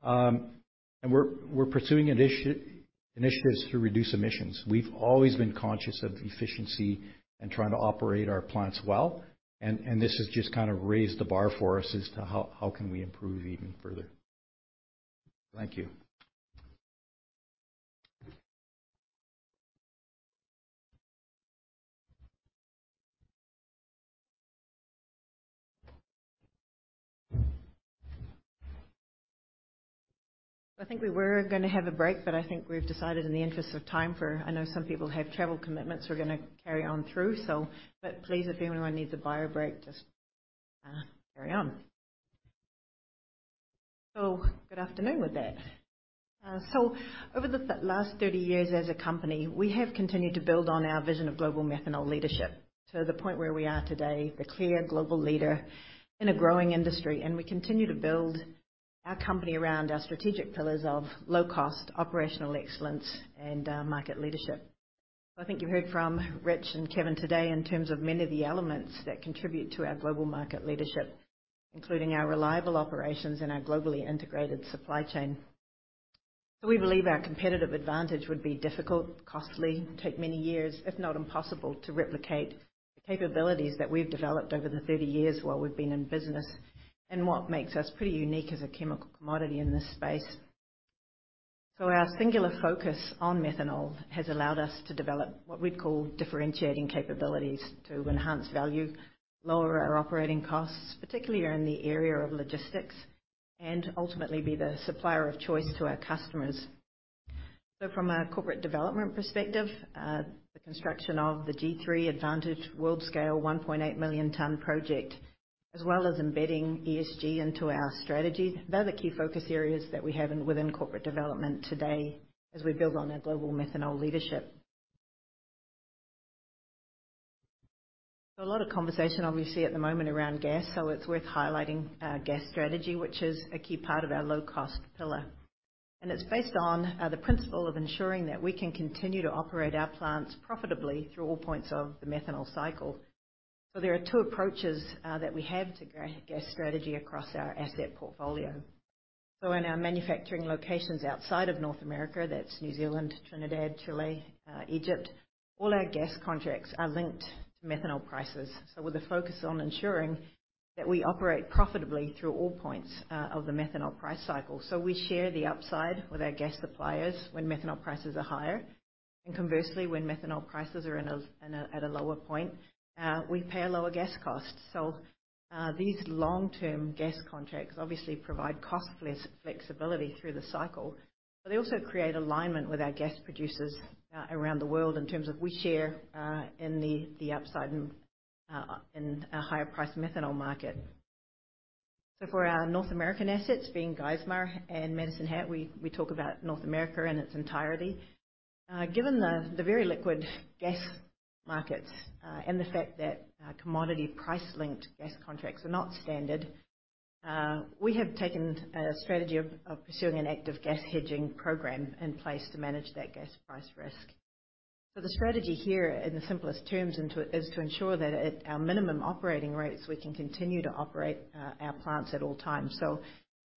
We're pursuing initiatives to reduce emissions. We've always been conscious of efficiency and trying to operate our plants well, and this has just kind of raised the bar for us as to how we can improve even further. Thank you. I think we were gonna have a break, but I think we've decided in the interest of time. I know some people have travel commitments, we're gonna carry on through. Please, if anyone needs a bio break, just carry on. Good afternoon with that. Over the last 30 years as a company, we have continued to build on our vision of global methanol leadership to the point where we are today, the clear global leader in a growing industry. We continue to build our company around our strategic pillars of low cost, operational excellence, and market leadership. I think you heard from Rich and Kevin today in terms of many of the elements that contribute to our global market leadership, including our reliable operations and our globally integrated supply chain. We believe our competitive advantage would be difficult, costly, take many years, if not impossible, to replicate the capabilities that we've developed over the 30 years while we've been in business and what makes us pretty unique as a chemical commodity in this space. Our singular focus on methanol has allowed us to develop what we'd call differentiating capabilities to enhance value, lower our operating costs, particularly in the area of logistics, and ultimately be the supplier of choice to our customers. From a corporate development perspective, the construction of the G3 Advantage world-scale 1.8 million ton project as well as embedding ESG into our strategy. They're the key focus areas that we have within corporate development today as we build on our global methanol leadership. A lot of conversation obviously at the moment around gas. It's worth highlighting our gas strategy, which is a key part of our low cost pillar. It's based on the principle of ensuring that we can continue to operate our plants profitably through all points of the methanol cycle. There are two approaches that we have to gas strategy across our asset portfolio. In our manufacturing locations outside of North America, that's New Zealand, Trinidad, Chile, Egypt, all our gas contracts are linked to methanol prices. With the focus on ensuring that we operate profitably through all points of the methanol price cycle. We share the upside with our gas suppliers when methanol prices are higher and conversely, when methanol prices are at a lower point, we pay a lower gas cost. These long-term gas contracts obviously provide costless flexibility through the cycle, but they also create alignment with our gas producers around the world in terms of we share in the upside and in a higher price methanol market. For our North American assets being Geismar and Medicine Hat, we talk about North America in its entirety. Given the very liquid gas markets and the fact that commodity price-linked gas contracts are not standard, we have taken a strategy of pursuing an active gas hedging program in place to manage that gas price risk. The strategy here in the simplest terms, it is to ensure that at our minimum operating rates, we can continue to operate our plants at all times.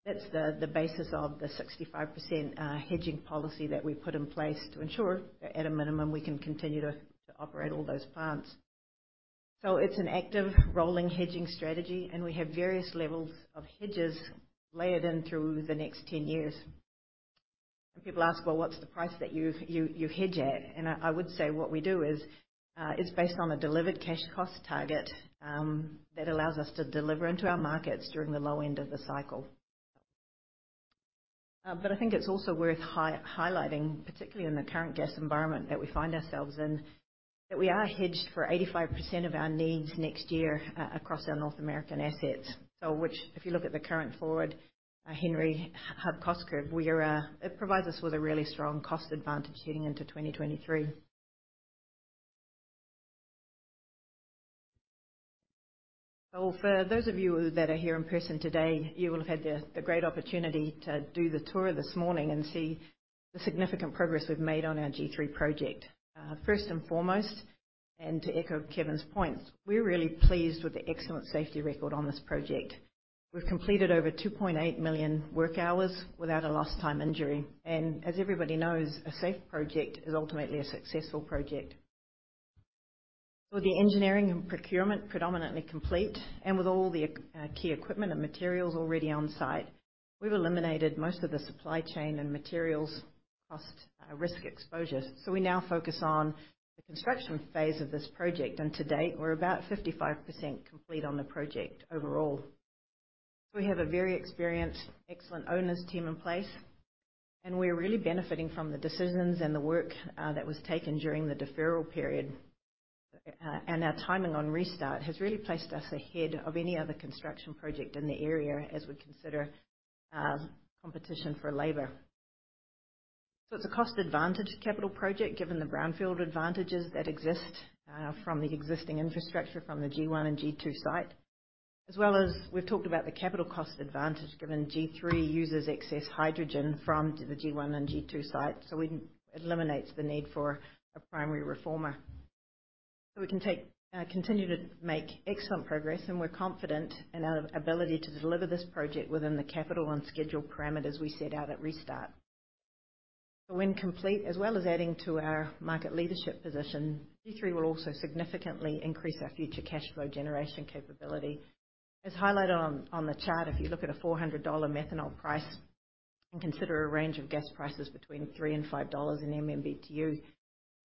That's the basis of the 65% hedging policy that we put in place to ensure that at a minimum, we can continue to operate all those plants. It's an active rolling hedging strategy, and we have various levels of hedges layered in through the next 10 years. When people ask, "Well, what's the price that you hedge at?" I would say what we do is, it's based on a delivered cash cost target that allows us to deliver into our markets during the low end of the cycle. But I think it's also worth highlighting, particularly in the current gas environment that we find ourselves in, that we are hedged for 85% of our needs next year across our North American assets. If you look at the current forward Henry Hub cost curve, it provides us with a really strong cost advantage heading into 2023. For those of you that are here in person today, you will have had the great opportunity to do the tour this morning and see the significant progress we've made on our G3 project. First and foremost, to echo Kevin's points, we're really pleased with the excellent safety record on this project. We've completed over 2.8 million work hours without a lost time injury. As everybody knows, a safe project is ultimately a successful project. With the engineering and procurement predominantly complete and with all the key equipment and materials already on site, we've eliminated most of the supply chain and materials cost risk exposure. We now focus on the construction phase of this project, and to date, we're about 55% complete on the project overall. We have a very experienced, excellent owners team in place, and we are really benefiting from the decisions and the work that was taken during the deferral period. Our timing on restart has really placed us ahead of any other construction project in the area as we consider competition for labor. It's a cost advantage capital project, given the brownfield advantages that exist from the existing infrastructure from the G1 and G2 site, as well as we've talked about the capital cost advantage given G3 uses excess hydrogen from the G1 and G2 site, so it eliminates the need for a primary reformer. Continue to make excellent progress, and we're confident in our ability to deliver this project within the capital and schedule parameters we set out at restart. When complete, as well as adding to our market leadership position, G3 will also significantly increase our future cash flow generation capability. As highlighted on the chart, if you look at a $400 methanol price and consider a range of gas prices between $3 and $5/MMBtu.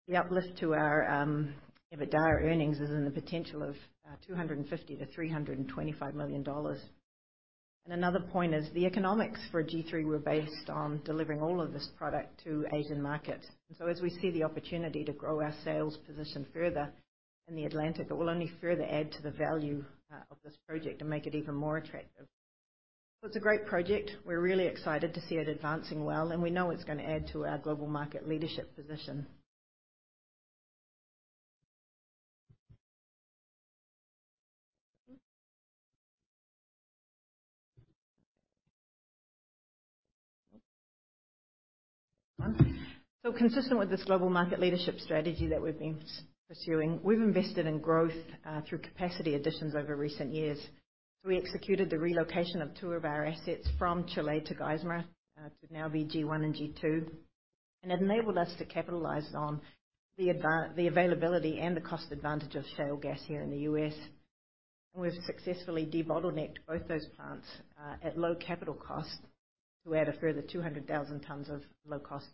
The uplift to our EBITDA earnings is in the potential of $250 million-$325 million. Another point is the economics for G3 were based on delivering all of this product to Asian market. As we see the opportunity to grow our sales position further in the Atlantic, it will only further add to the value of this project and make it even more attractive. It's a great project. We're really excited to see it advancing well, and we know it's gonna add to our global market leadership position. Consistent with this global market leadership strategy that we've been pursuing, we've invested in growth through capacity additions over recent years. We executed the relocation of two of our assets from Chile to Geismar to now be G1 and G2, and enabled us to capitalize on the availability and the cost advantage of shale gas here in the U.S. We've successfully debottlenecked both those plants at low capital cost to add a further 200,000 tons of low cost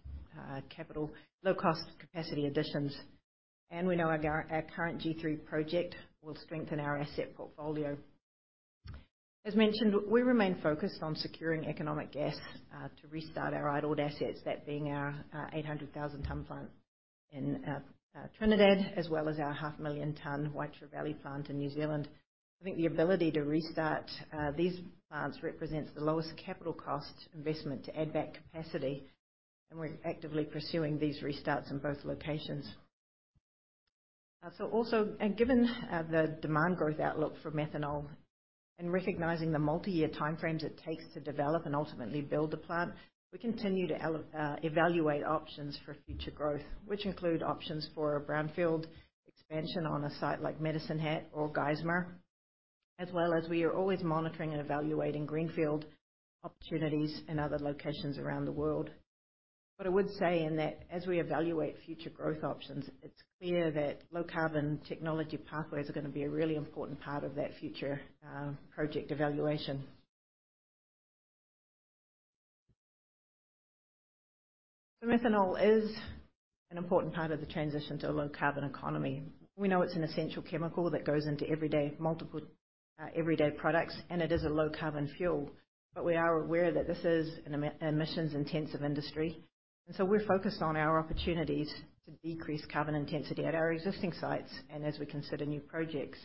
capacity additions. We know our current G3 project will strengthen our asset portfolio. As mentioned, we remain focused on securing economic gas to restart our idled assets, that being our 800,000-ton plant in Trinidad, as well as our half million-ton Waitara Valley plant in New Zealand. I think the ability to restart these plants represents the lowest capital cost investment to add back capacity, and we're actively pursuing these restarts in both locations. Given the demand growth outlook for methanol and recognizing the multi-year time frame it takes to develop and ultimately build a plant, we continue to evaluate options for future growth, which include options for a brownfield expansion on a site like Medicine Hat or Geismar. As well as we are always monitoring and evaluating greenfield opportunities in other locations around the world. What I would say in that, as we evaluate future growth options, it's clear that low-carbon technology pathways are gonna be a really important part of that future, project evaluation. So methanol is an important part of the transition to a low-carbon economy. We know it's an essential chemical that goes into multiple everyday products, and it is a low-carbon fuel, but we are aware that this is an emissions intensive industry. We're focused on our opportunities to decrease carbon intensity at our existing sites and as we consider new projects.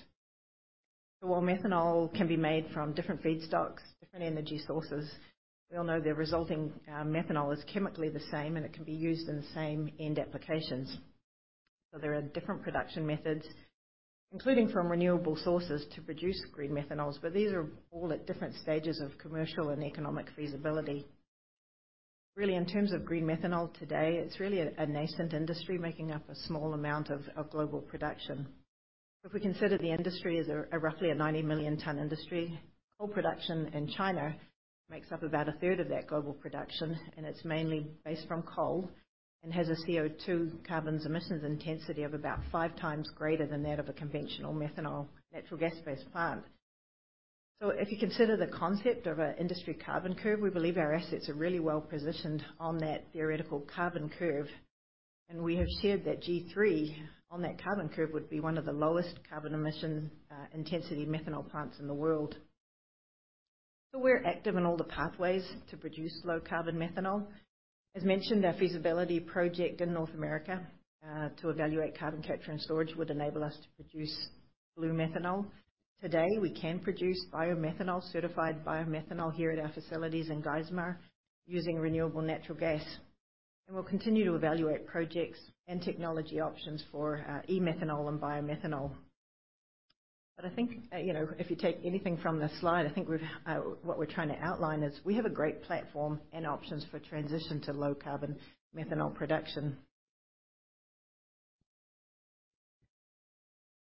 While methanol can be made from different feedstocks, different energy sources, we all know the resulting methanol is chemically the same and it can be used in the same end applications. There are different production methods, including from renewable sources to produce green methanol, but these are all at different stages of commercial and economic feasibility. Really, in terms of green methanol today, it's really a nascent industry making up a small amount of global production. If we consider the industry as a roughly a 90-million-ton industry, coal production in China makes up about a third of that global production, and it's mainly based from coal and has a CO2 carbons emissions intensity of about five times greater than that of a conventional methanol natural gas-based plant. If you consider the concept of an industry carbon curve, we believe our assets are really well-positioned on that theoretical carbon curve. We have shared that G3 on that carbon curve would be one of the lowest carbon emission intensity methanol plants in the world. We're active in all the pathways to produce low carbon methanol. As mentioned, our feasibility project in North America to evaluate carbon capture and storage would enable us to produce blue methanol. Today, we can produce biomethanol, certified biomethanol here at our facilities in Geismar using renewable natural gas. We'll continue to evaluate projects and technology options for e-methanol and biomethanol. I think you know, if you take anything from this slide, I think what we're trying to outline is we have a great platform and options for transition to low carbon methanol production.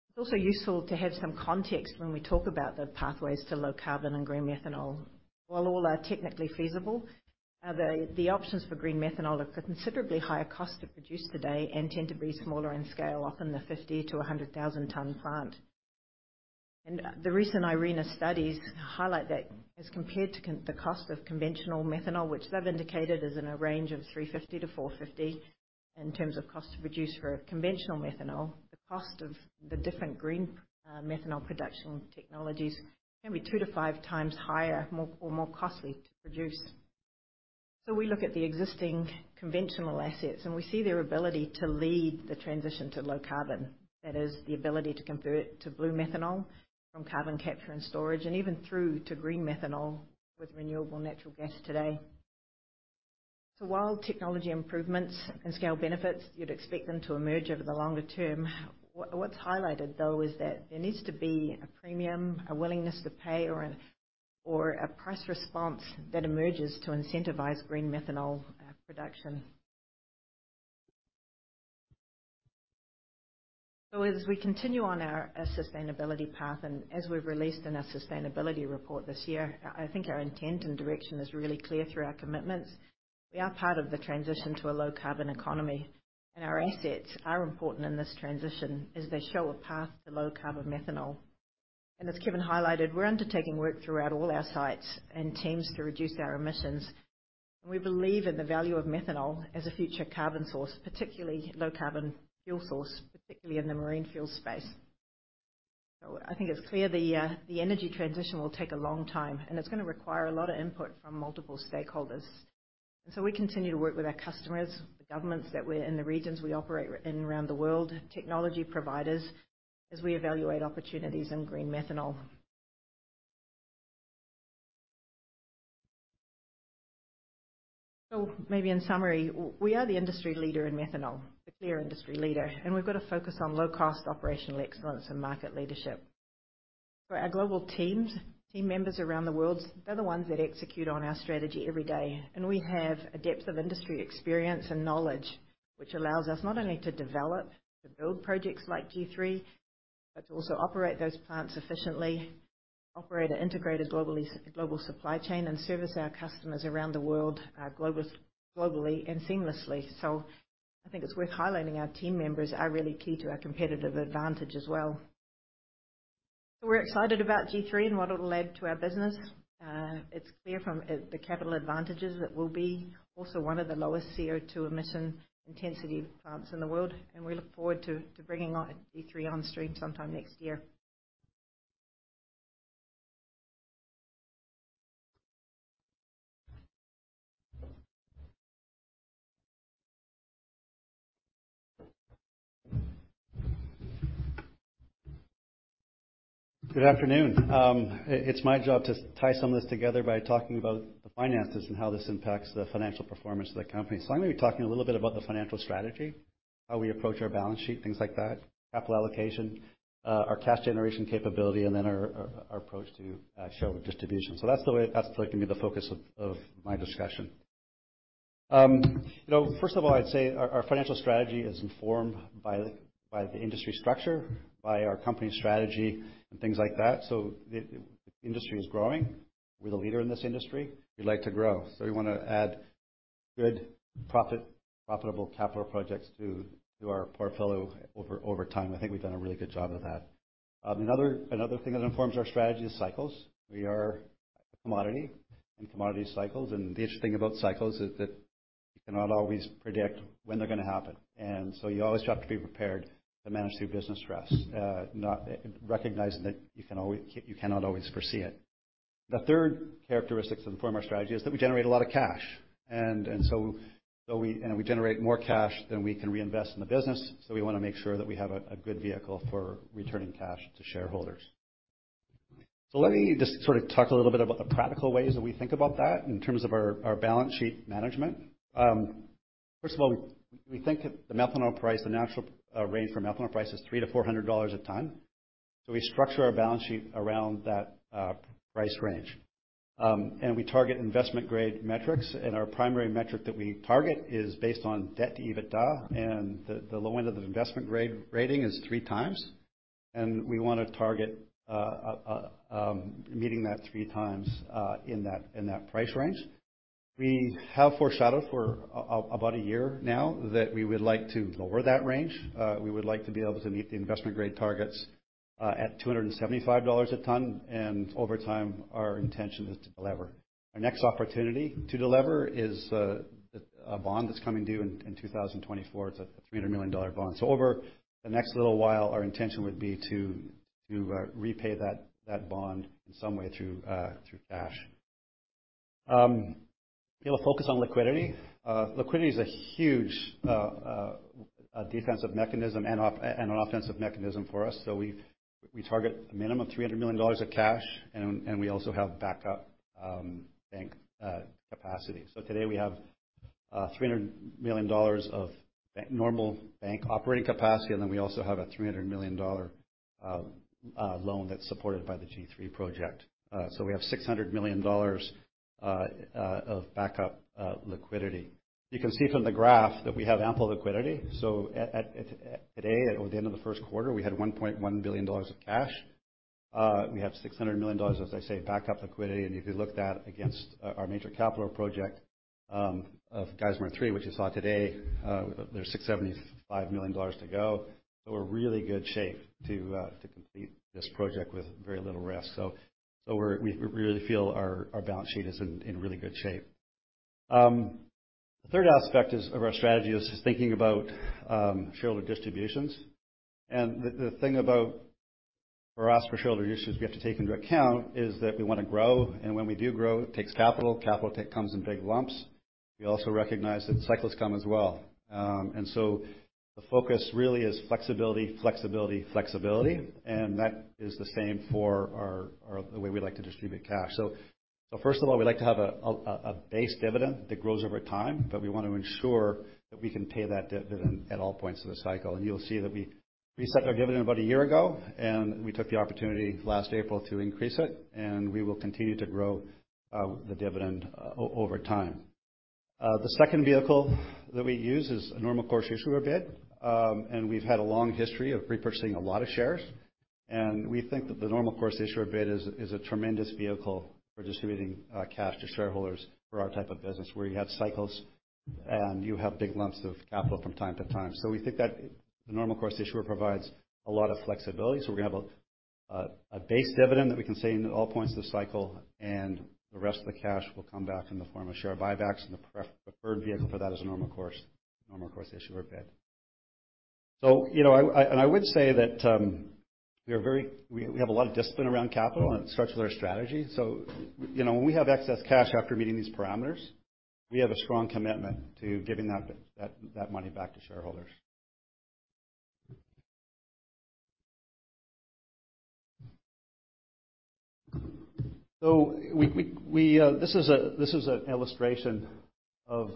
It's also useful to have some context when we talk about the pathways to low carbon and green methanol. While all are technically feasible, the options for green methanol are considerably higher cost to produce today and tend to be smaller in scale, often the 50 to 100,000-ton plant. The recent IRENA studies highlight that as compared to the cost of conventional methanol, which they've indicated is in a range of $350-$450 in terms of cost to produce for a conventional methanol. The cost of the different green methanol production technologies can be two to five times higher, or more costly to produce. We look at the existing conventional assets, and we see their ability to lead the transition to low carbon. That is the ability to convert to blue methanol from carbon capture and storage, and even through to green methanol with renewable natural gas today. While technology improvements and scale benefits, you'd expect them to emerge over the longer term. What's highlighted, though, is that there needs to be a premium, a willingness to pay or a price response that emerges to incentivize green methanol production. As we continue on our sustainability path and as we've released in our sustainability report this year, I think our intent and direction is really clear through our commitments. We are part of the transition to a low carbon economy, and our assets are important in this transition as they show a path to low carbon methanol. As Kevin highlighted, we're undertaking work throughout all our sites and teams to reduce our emissions. We believe in the value of methanol as a future carbon source, particularly low carbon fuel source, particularly in the marine fuel space. I think it's clear the energy transition will take a long time, and it's gonna require a lot of input from multiple stakeholders. We continue to work with our customers, the governments that we're in, the regions we operate in and around the world, technology providers, as we evaluate opportunities in green methanol. Maybe in summary, we are the industry leader in methanol, the clear industry leader, and we've got a focus on low cost operational excellence and market leadership. For our global teams, team members around the world, they're the ones that execute on our strategy every day. We have a depth of industry experience and knowledge, which allows us not only to develop, to build projects like G3, but to also operate those plants efficiently, operate an integrated global supply chain, and service our customers around the world, globally and seamlessly. I think it's worth highlighting our team members are really key to our competitive advantage as well. We're excited about G3 and what it'll add to our business. It's clear from the capital advantages that we'll be also one of the lowest CO2 emission intensity plants in the world. We look forward to bringing on G3 on stream sometime next year. Good afternoon. It's my job to tie some of this together by talking about the finances and how this impacts the financial performance of the company. I'm gonna be talking a little bit about the financial strategy, how we approach our balance sheet, things like that, capital allocation, our cash generation capability, and then our approach to shareholder distribution. That's going to be the focus of my discussion. You know, first of all, I'd say our financial strategy is informed by the industry structure, by our company strategy and things like that. The industry is growing. We're the leader in this industry. We'd like to grow. We wanna add profitable capital projects to our portfolio over time. I think we've done a really good job of that. Another thing that informs our strategy is cycles. We are a commodity in commodity cycles, and the interesting thing about cycles is that you cannot always predict when they're gonna happen. You always have to be prepared to manage through business stress, recognizing that you cannot always foresee it. The third characteristics that inform our strategy is that we generate a lot of cash. We generate more cash than we can reinvest in the business, so we want to make sure that we have a good vehicle for returning cash to shareholders. Let me just sort of talk a little bit about the practical ways that we think about that in terms of our balance sheet management. First of all, we think that the methanol price, the natural range for methanol price is $300-$400 a ton. We structure our balance sheet around that price range. We target investment grade metrics, and our primary metric that we target is based on debt to EBITDA, and the low end of the investment grade rating is 3x. We wanna target meeting that 3x in that price range. We have foreshadowed for about a year now that we would like to lower that range. We would like to be able to meet the investment grade targets at $275 a ton, and over time, our intention is to delever. Our next opportunity to delever is a bond that's coming due in 2024. It's a $300 million bond. Over the next little while, our intention would be to repay that bond in some way through cash. We have a focus on liquidity. Liquidity is a huge defensive mechanism and an offensive mechanism for us. We target a minimum $300 million of cash, and we also have backup bank capacity. Today we have $300 million of bank normal bank operating capacity, and then we also have a $300 million loan that's supported by the G3 project. We have $600 million of backup liquidity. You can see from the graph that we have ample liquidity. As at today or the end of the first quarter, we had $1.1 billion of cash. We have $600 million, as I say, backup liquidity. If you look that against our major capital project of Geismar 3, which you saw today, there's $675 million to go. We're in really good shape to complete this project with very little risk. We really feel our balance sheet is in really good shape. The third aspect of our strategy is thinking about shareholder distributions. The thing about for us shareholder distributions we have to take into account is that we wanna grow. When we do grow, it takes capital. CapEx comes in big lumps. We also recognize that cycles come as well. The focus really is flexibility. That is the same for the way we like to distribute cash. First of all, we like to have a base dividend that grows over time, but we want to ensure that we can pay that dividend at all points of the cycle. You'll see that we reset our dividend about a year ago, and we took the opportunity last April to increase it, and we will continue to grow the dividend over time. The second vehicle that we use is a normal course issuer bid. We've had a long history of repurchasing a lot of shares. We think that the normal course issuer bid is a tremendous vehicle for distributing cash to shareholders for our type of business, where you have cycles and you have big lumps of capital from time to time. We think that the normal course issuer provides a lot of flexibility. We're gonna have a base dividend that we can pay in all points of the cycle, and the rest of the cash will come back in the form of share buybacks, and the preferred vehicle for that is a normal course issuer bid. You know, I would say that we have a lot of discipline around capital, and it starts with our strategy. You know, when we have excess cash after meeting these parameters, we have a strong commitment to giving that money back to shareholders. This is an illustration of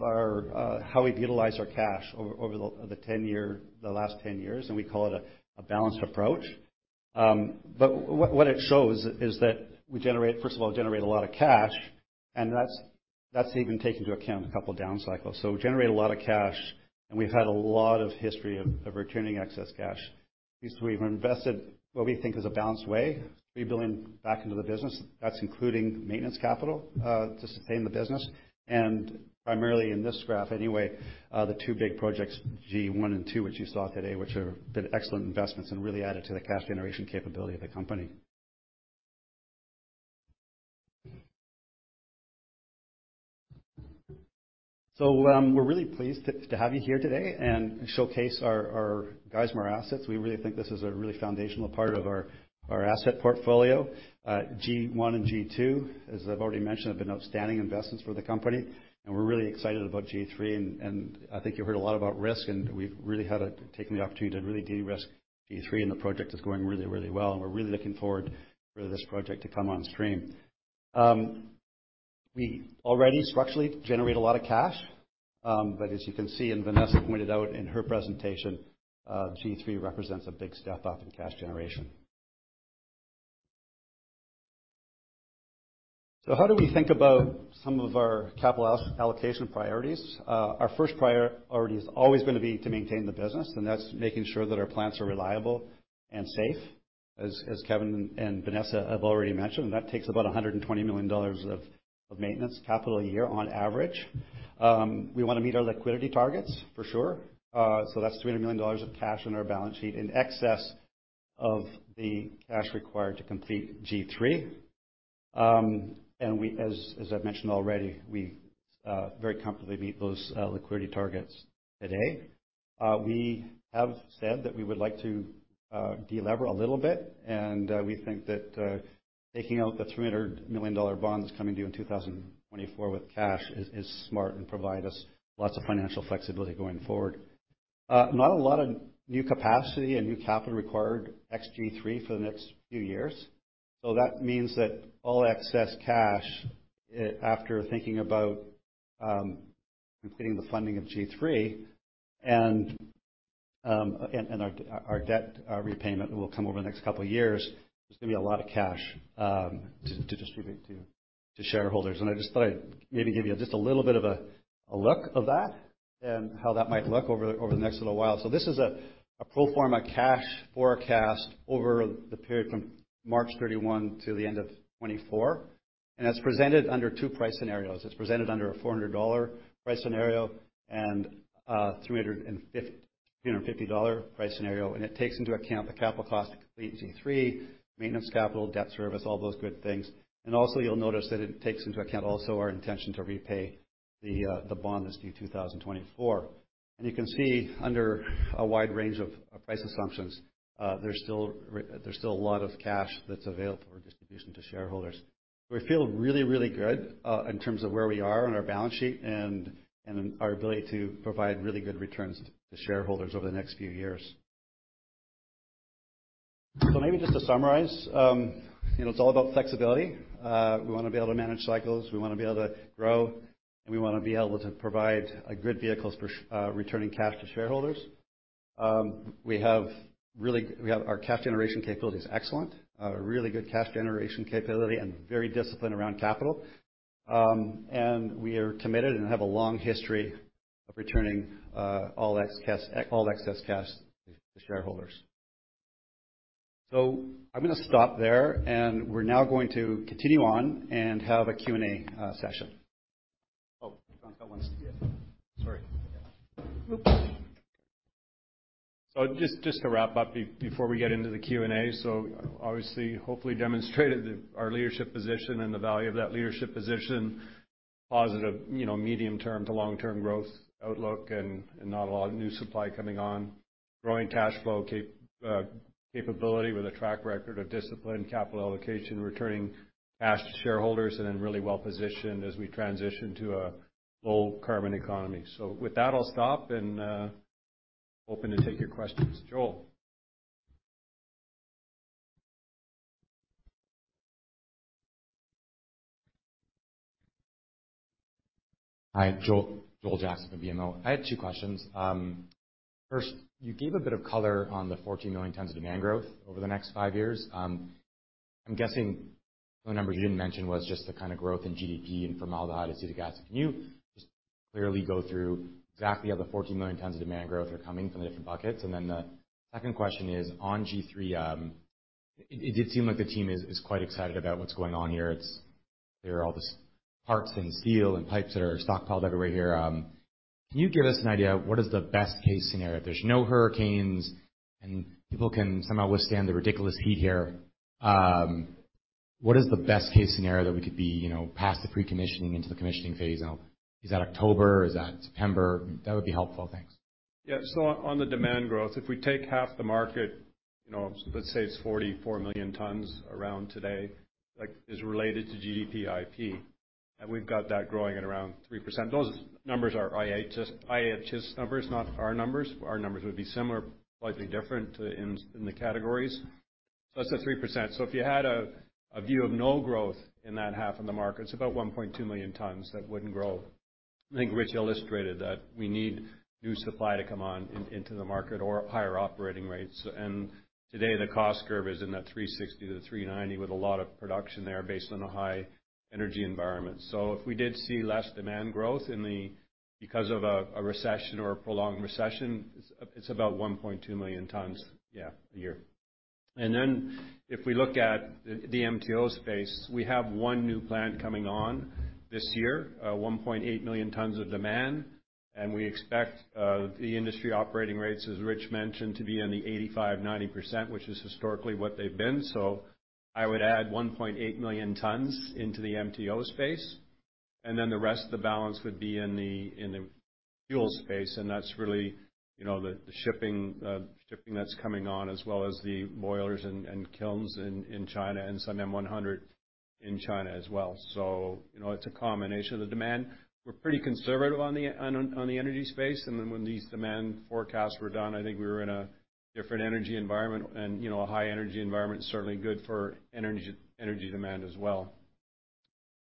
how we've utilized our cash over the last 10 years, and we call it a balanced approach. But what it shows is that we generate, first of all, a lot of cash, and that's even taking into account a couple down cycles. We generate a lot of cash, and we've had a lot of history of returning excess cash. At least we've invested what we think is a balanced way, $3 billion back into the business. That's including maintenance capital to sustain the business. Primarily in this graph, anyway, the two big projects, G1 and 2, which you saw today, which have been excellent investments and really added to the cash generation capability of the company. We're really pleased to have you here today and showcase our Geismar assets. We really think this is a really foundational part of our asset portfolio. G1 and G2, as I've already mentioned, have been outstanding investments for the company, and we're really excited about G3. I think you heard a lot about risk. Taking the opportunity to really de-risk G3, and the project is going really, really well. We're really looking forward for this project to come on stream. We already structurally generate a lot of cash, but as you can see, and Vanessa pointed out in her presentation, G3 represents a big step up in cash generation. How do we think about some of our capital allocation priorities? Our first priority has always been to maintain the business, and that's making sure that our plants are reliable and safe, as Kevin and Vanessa have already mentioned. That takes about $120 million of maintenance capital a year on average. We wanna meet our liquidity targets for sure. That's $300 million of cash on our balance sheet in excess of the cash required to complete G3. As I've mentioned already, we very comfortably meet those liquidity targets today. We have said that we would like to de-lever a little bit, and we think that taking out the $300 million bond that's coming due in 2024 with cash is smart and provide us lots of financial flexibility going forward. Not a lot of new capacity and new capital required ex G3 for the next few years. That means that all excess cash after thinking about completing the funding of G3 and our debt repayment will come over the next couple of years. There's gonna be a lot of cash to distribute to shareholders. I just thought I'd maybe give you just a little bit of a look at that and how that might look over the next little while. This is a pro forma cash forecast over the period from March 31 to the end of 2024, and that's presented under two price scenarios. It's presented under a $400 price scenario and a $350 price scenario. It takes into account the capital cost to complete G3, maintenance capital, debt service, all those good things. Also you'll notice that it takes into account also our intention to repay the bond that's due 2024. You can see under a wide range of price assumptions, there's still a lot of cash that's available for distribution to shareholders. We feel really, really good in terms of where we are on our balance sheet and our ability to provide really good returns to shareholders over the next few years. Maybe just to summarize, it's all about flexibility. We wanna be able to manage cycles, we wanna be able to grow, and we wanna be able to provide a good vehicles for returning cash to shareholders. We have our cash generation capability is excellent. Really good cash generation capability and very disciplined around capital. We are committed and have a long history of returning all excess cash to shareholders. I'm gonna stop there, and we're now going to continue on and have a Q&A session. Sorry. Just to wrap up before we get into the Q&A. Obviously, hopefully demonstrated our leadership position and the value of that leadership position. Positive, you know, medium-term to long-term growth outlook and not a lot of new supply coming on. Growing cash flow capability with a track record of disciplined capital allocation, returning cash to shareholders, and then really well positioned as we transition to a low carbon economy. With that, I'll stop and open to take your questions. Joel. Hi. Joel Jackson from BMO. I had two questions. First, you gave a bit of color on the 14 million tons of demand growth over the next five years. I'm guessing the numbers you didn't mention was just the kinda growth in GDP and formaldehyde acetic acid. Can you just clearly go through exactly how the 14 million tons of demand growth are coming from the different buckets? The second question is on G3. It did seem like the team is quite excited about what's going on here, it's. There are all these parts and steel and pipes that are stockpiled everywhere here. Can you give us an idea of what is the best-case scenario? If there's no hurricanes and people can somehow withstand the ridiculous heat here, what is the best case scenario that we could be, you know, past the pre-commissioning into the commissioning phase? Is that October? Is that September? That would be helpful. Thanks. Yeah. On the demand growth, if we take half the market, you know, let's say it's 44 million tons around today, like is related to GDP IP, and we've got that growing at around 3%. Those numbers are IHS numbers, not our numbers. Our numbers would be similar, slightly different in the categories. That's at 3%. If you had a view of no growth in that half of the market, it's about 1.2 million tons that wouldn't grow. I think Rich illustrated that we need new supply to come on into the market or higher operating rates. Today the cost curve is in that 360-390 with a lot of production there based on a high energy environment. If we did see less demand growth in the because of a recession or a prolonged recession, it's about 1.2 million tons a year. If we look at the MTO space, we have one new plant coming on this year, 1.8 million tons of demand. We expect the industry operating rates, as Rich mentioned, to be in the 85%-90%, which is historically what they've been. I would add 1.8 million tons into the MTO space, and then the rest of the balance would be in the fuel space, and that's really, you know, the shipping that's coming on, as well as the boilers and kilns in China, and some M100 in China as well. You know, it's a combination of the demand. We're pretty conservative on the energy space. Then when these demand forecasts were done, I think we were in a different energy environment. You know, a high energy environment is certainly good for energy demand as well.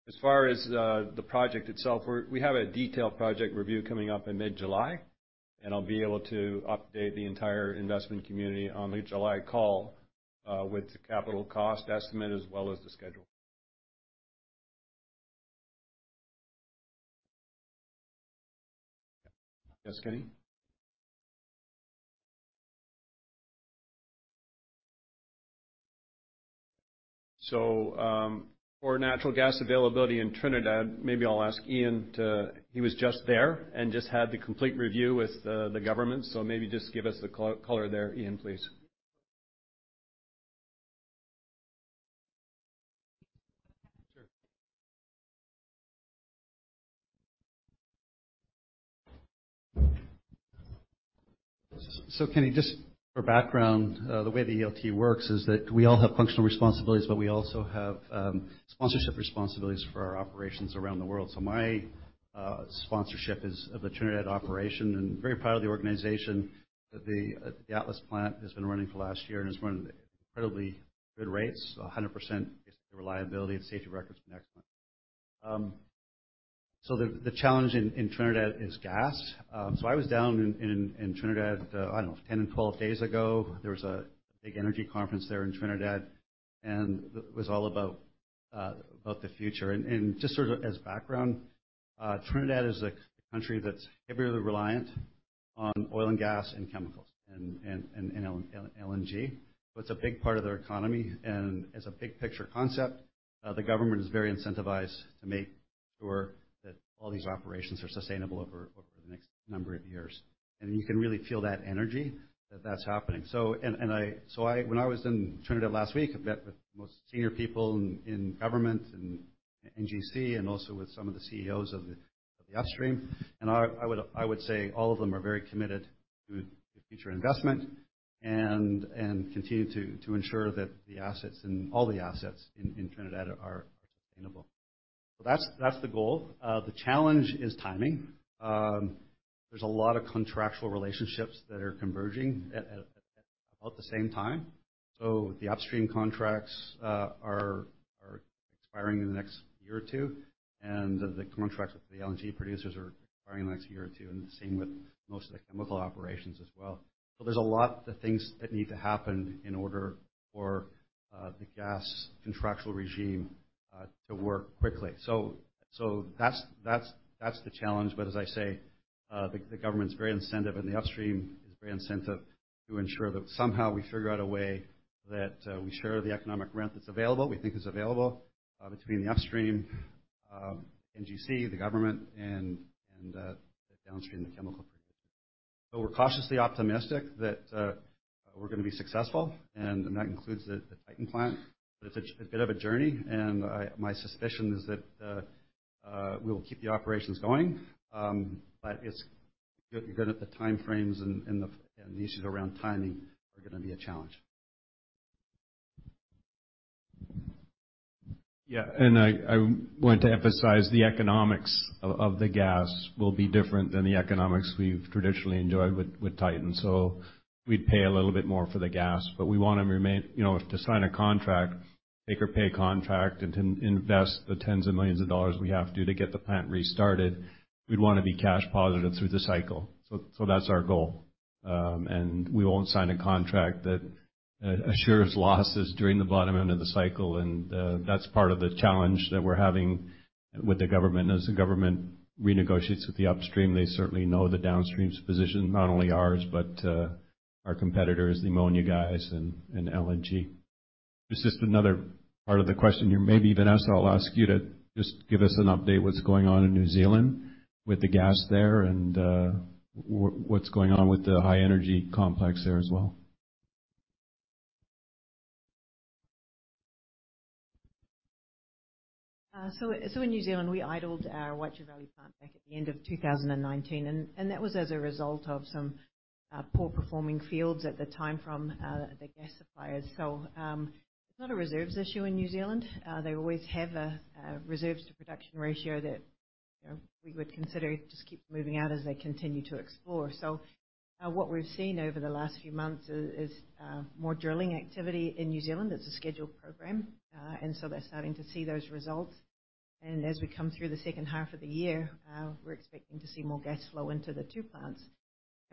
As far as the project itself, we have a detailed project review coming up in mid-July. I'll be able to update the entire investment community on the July call with the capital cost estimate as well as the schedule. Yes, Kenny? For natural gas availability in Trinidad, maybe I'll ask Ian. He was just there and just had the complete review with the government. Maybe just give us the color there, Ian, please. Sure. Kenny, just for background, the way the ELT works is that we all have functional responsibilities, but we also have, sponsorship responsibilities for our operations around the world. My sponsorship is of the Trinidad operation, and very proud of the organization that the Atlas plant has been running for the last year and has run incredibly good rates, 100%, I guess, the reliability and safety records are excellent. The challenge in Trinidad is gas. I was down in Trinidad, I don't know, 10-12 days ago. There was a big energy conference there in Trinidad, and it was all about the future. Just sort of as background, Trinidad is a country that's heavily reliant on oil and gas and chemicals and LNG. It's a big part of their economy. As a big picture concept, the government is very incentivized to make sure that all these operations are sustainable over the next number of years. You can really feel that energy that's happening. When I was in Trinidad last week, I met with most senior people in government and NGC and also with some of the CEOs of the upstream. I would say all of them are very committed to the future investment and continue to ensure that the assets and all the assets in Trinidad are sustainable. That's the goal. The challenge is timing. There's a lot of contractual relationships that are converging at about the same time. The upstream contracts are expiring in the next year or two, and the contracts with the LNG producers are expiring in the next year or two, and the same with most of the chemical operations as well. There's a lot of things that need to happen in order for the gas contractual regime to work quickly. That's the challenge. As I say, the government is very incentivized, and the upstream is very incentivized to ensure that somehow we figure out a way that we share the economic rent that's available, we think is available, between the upstream, NGC, the government and the downstream, the chemical producers. We're cautiously optimistic that we're gonna be successful, and that includes the Titan plant. It's a bit of a journey, and my suspicion is that we'll keep the operations going. The time frames and the issues around timing are gonna be a challenge. Yeah. I want to emphasize the economics of the gas will be different than the economics we've traditionally enjoyed with Titan. We'd pay a little bit more for the gas, but we wanna remain. You know, if to sign a contract, take or pay a contract and to invest the $10s of millions we have to get the plant restarted, we'd wanna be cash positive through the cycle. That's our goal. We won't sign a contract that assures losses during the bottom end of the cycle, and that's part of the challenge that we're having with the government. As the government renegotiates with the upstream, they certainly know the downstream's position, not only ours but our competitors, the ammonia guys and LNG. It's just another part of the question. Vanessa, I'll ask you to just give us an update what's going on in New Zealand with the gas there and what's going on with the high energy complex there as well. In New Zealand, we idled our Waitara Valley plant back at the end of 2019. That was as a result of some poor performing fields at the time from the gas suppliers. It's not a reserves issue in New Zealand. They always have a reserves to production ratio that, you know, we would consider just keep moving out as they continue to explore. What we've seen over the last few months is more drilling activity in New Zealand. It's a scheduled program. They're starting to see those results. As we come through the second half of the year, we're expecting to see more gas flow into the two plants.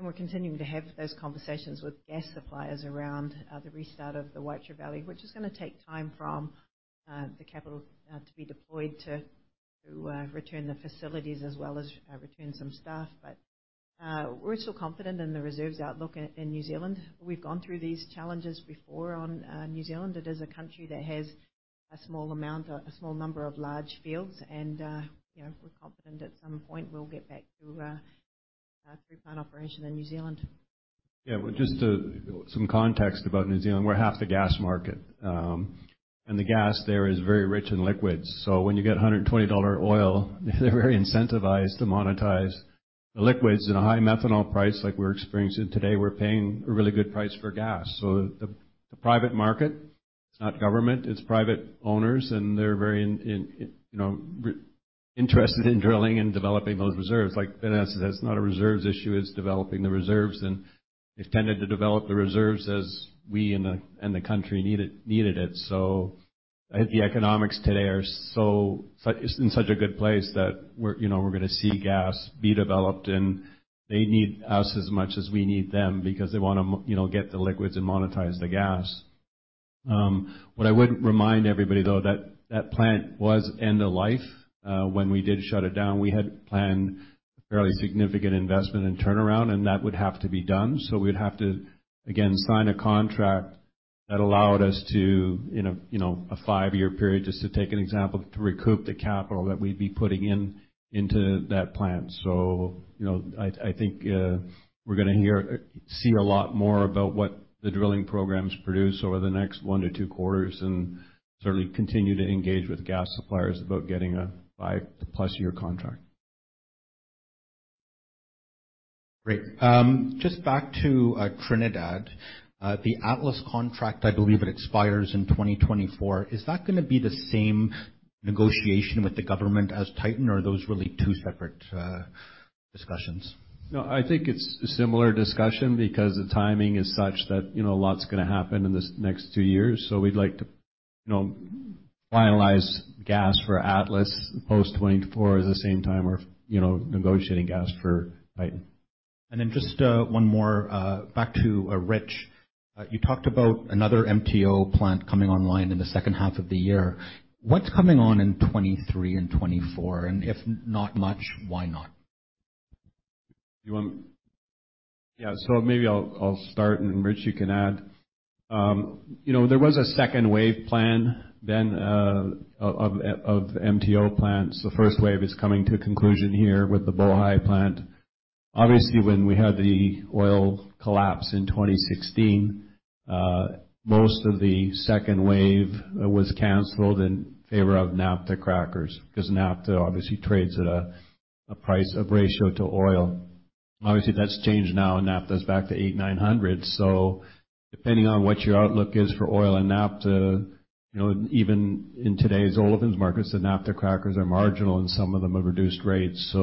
We're continuing to have those conversations with gas suppliers around the restart of the Waitara Valley, which is gonna take time from the capital to be deployed to return the facilities as well as return some staff. We're still confident in the reserves outlook in New Zealand. We've gone through these challenges before on New Zealand. It is a country that has a small number of large fields, and you know, we're confident at some point we'll get back to a three-plant operation in New Zealand. Well, some context about New Zealand. We're half the gas market. The gas there is very rich in liquids. When you get $120 oil, they're very incentivized to monetize the liquids. At a high methanol price like we're experiencing today, we're paying a really good price for gas. The private market, it's not government, it's private owners, and they're very you know interested in drilling and developing those reserves. Like Vanessa said, it's not a reserves issue, it's developing the reserves. They've tended to develop the reserves as we, in the country, need it, needed it. The economics today are in such a good place that we're you know gonna see gas be developed. They need us as much as we need them because they wanna you know, get the liquids and monetize the gas. What I would remind everybody though, that that plant was end of life. When we did shut it down, we had planned a fairly significant investment in turnaround, and that would have to be done. We'd have to, again, sign a contract that allowed us to, in a, you know, a five year period, just to take an example, to recoup the capital that we'd be putting in into that plant. You know, I think, we're gonna see a lot more about what the drilling programs produce over the next one to two quarters and certainly continue to engage with gas suppliers about getting a 5+ year contract. Great. Just back to Trinidad. The Atlas contract, I believe it expires in 2024. Is that gonna be the same negotiation with the government as Titan, or are those really two separate discussions? No, I think it's a similar discussion because the timing is such that, you know, a lot's gonna happen in the next two years. We'd like to, you know, finalize gas for Atlas post 2024 at the same time or, you know, negotiating gas for Titan. Then just one more. Back to Rich. You talked about another MTO plant coming online in the second half of the year. What's coming on in 2023 and 2024? If not much, why not? Yeah. Maybe I'll start and, Rich, you can add. You know, there was a second wave plan then of MTO plants. The first wave is coming to conclusion here with the Bohai plant. Obviously, when we had the oil collapse in 2016, most of the second wave was canceled in favor of naphtha crackers, 'cause naphtha obviously trades at a price ratio to oil. Obviously, that's changed now, and naphtha's back to $800-$900. Depending on what your outlook is for oil and naphtha, you know, even in today's olefins markets, the naphtha crackers are marginal, and some of them have reduced rates.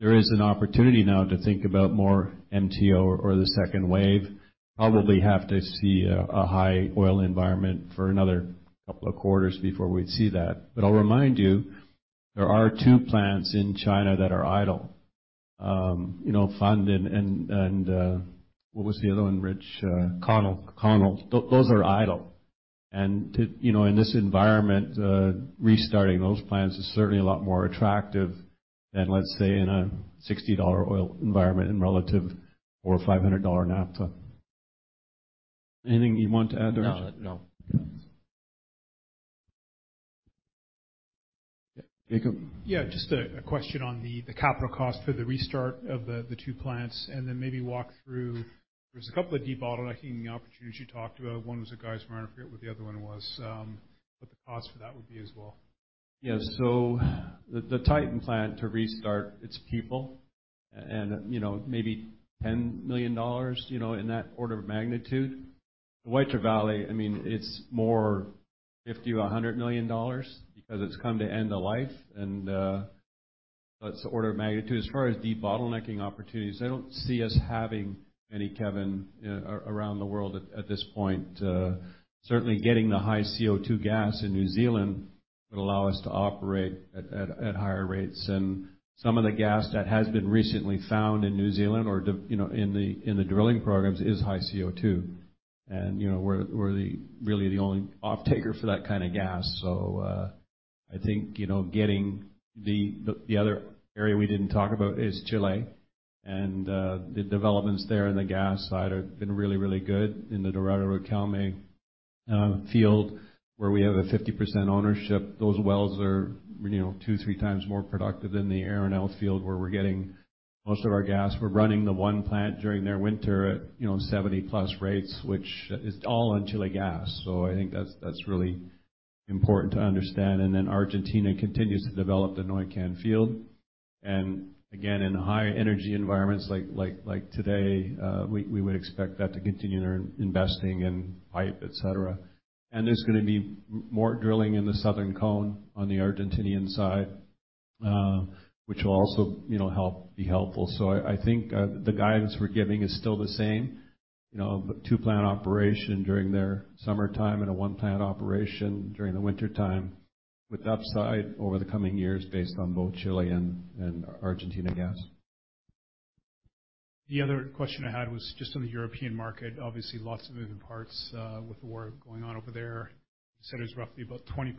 There is an opportunity now to think about more MTO or the second wave. Probably have to see a high oil environment for another couple of quarters before we'd see that. I'll remind you, there are two plants in China that are idle. You know, Funde and what was the other one, Rich? Kaiyue. Kaiyue. Those are idle. Too, you know, in this environment, restarting those plants is certainly a lot more attractive than, let's say, in a $60 oil environment and relative to $500 naphtha. Anything you want to add there, Rich? No. No. Jacob? Yeah, just a question on the capital cost for the restart of the two plants, and then maybe walk through. There's a couple of debottlenecking opportunities you talked about. One was at Geismar. I forget what the other one was. What the cost for that would be as well. Yeah. The Titan plant to restart, its people and, you know, maybe $10 million, you know, in that order of magnitude. The Waitara Valley, I mean, it's more $50-$100 million because it's come to end of life and, that's the order of magnitude. As far as debottlenecking opportunities, I don't see us having any, Kevin, around the world at this point. Certainly getting the high CO2 gas in New Zealand would allow us to operate at higher rates. Some of the gas that has been recently found in New Zealand or you know, in the drilling programs is high CO2. You know, we're really the only offtaker for that kind of gas. I think, you know, getting the other area we didn't talk about is Chile. The developments there in the gas side have been really good in the Dorado-Riquelme field, where we have a 50% ownership. Those wells are, you know, two, three times more productive than the Arenal field, where we're getting most of our gas. We're running the one plant during their winter at, you know, 70+ rates, which is all on Chile gas. I think that's really important to understand. Argentina continues to develop the Neuquén field. Again, in high energy environments like today, we would expect that to continue their investing in pipe, et cetera. There's gonna be more drilling in the Southern Cone on the Argentinian side, which will also, you know, be helpful. I think the guidance we're giving is still the same. You know, two-plant operation during their summertime and a one-plant operation during the wintertime with upside over the coming years based on both Chile and Argentina gas. The other question I had was just on the European market. Obviously, lots of moving parts, with the war going on over there. You said it was roughly about 20%.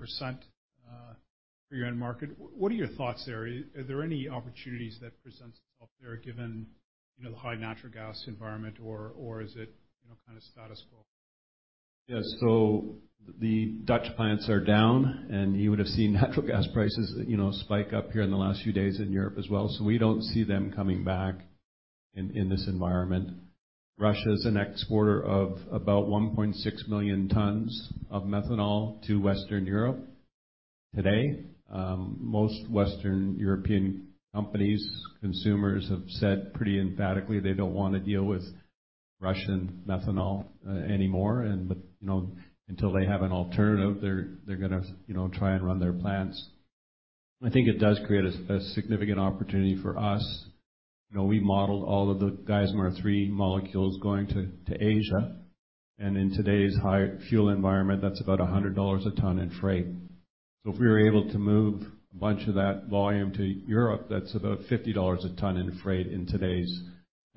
For your end market. What are your thoughts there? Are there any opportunities that presents itself there given, you know, the high natural gas environment or is it, you know, kinda status quo? The Dutch plants are down, and you would have seen natural gas prices, you know, spike up here in the last few days in Europe as well. We don't see them coming back in this environment. Russia is an exporter of about 1.6 million tons of methanol to Western Europe. Today, most Western European companies, consumers have said pretty emphatically they don't wanna deal with Russian methanol anymore. Until they have an alternative, they're gonna try and run their plants. I think it does create a significant opportunity for us. You know, we modeled all of the Geismar 3 molecules going to Asia, and in today's high fuel environment, that's about $100 a ton in freight. If we were able to move a bunch of that volume to Europe, that's about $50 a ton in freight in today's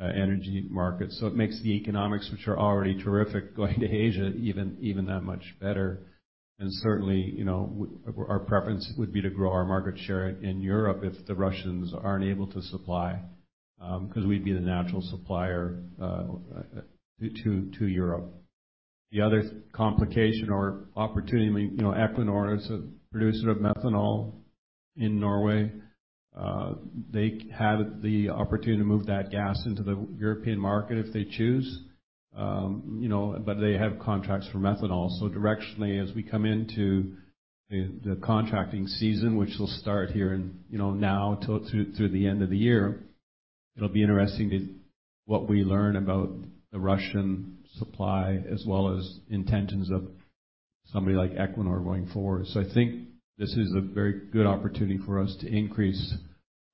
energy market. It makes the economics, which are already terrific going to Asia, even that much better. Certainly, you know, our preference would be to grow our market share in Europe if the Russians aren't able to supply, 'cause we'd be the natural supplier to Europe. The other complication or opportunity, I mean, you know, Equinor is a producer of methanol in Norway. They have the opportunity to move that gas into the European market if they choose. You know, but they have contracts for methanol. Directionally, as we come into the contracting season, which will start here in, you know, now till through the end of the year, it'll be interesting to what we learn about the Russian supply as well as intentions of somebody like Equinor going forward. I think this is a very good opportunity for us to increase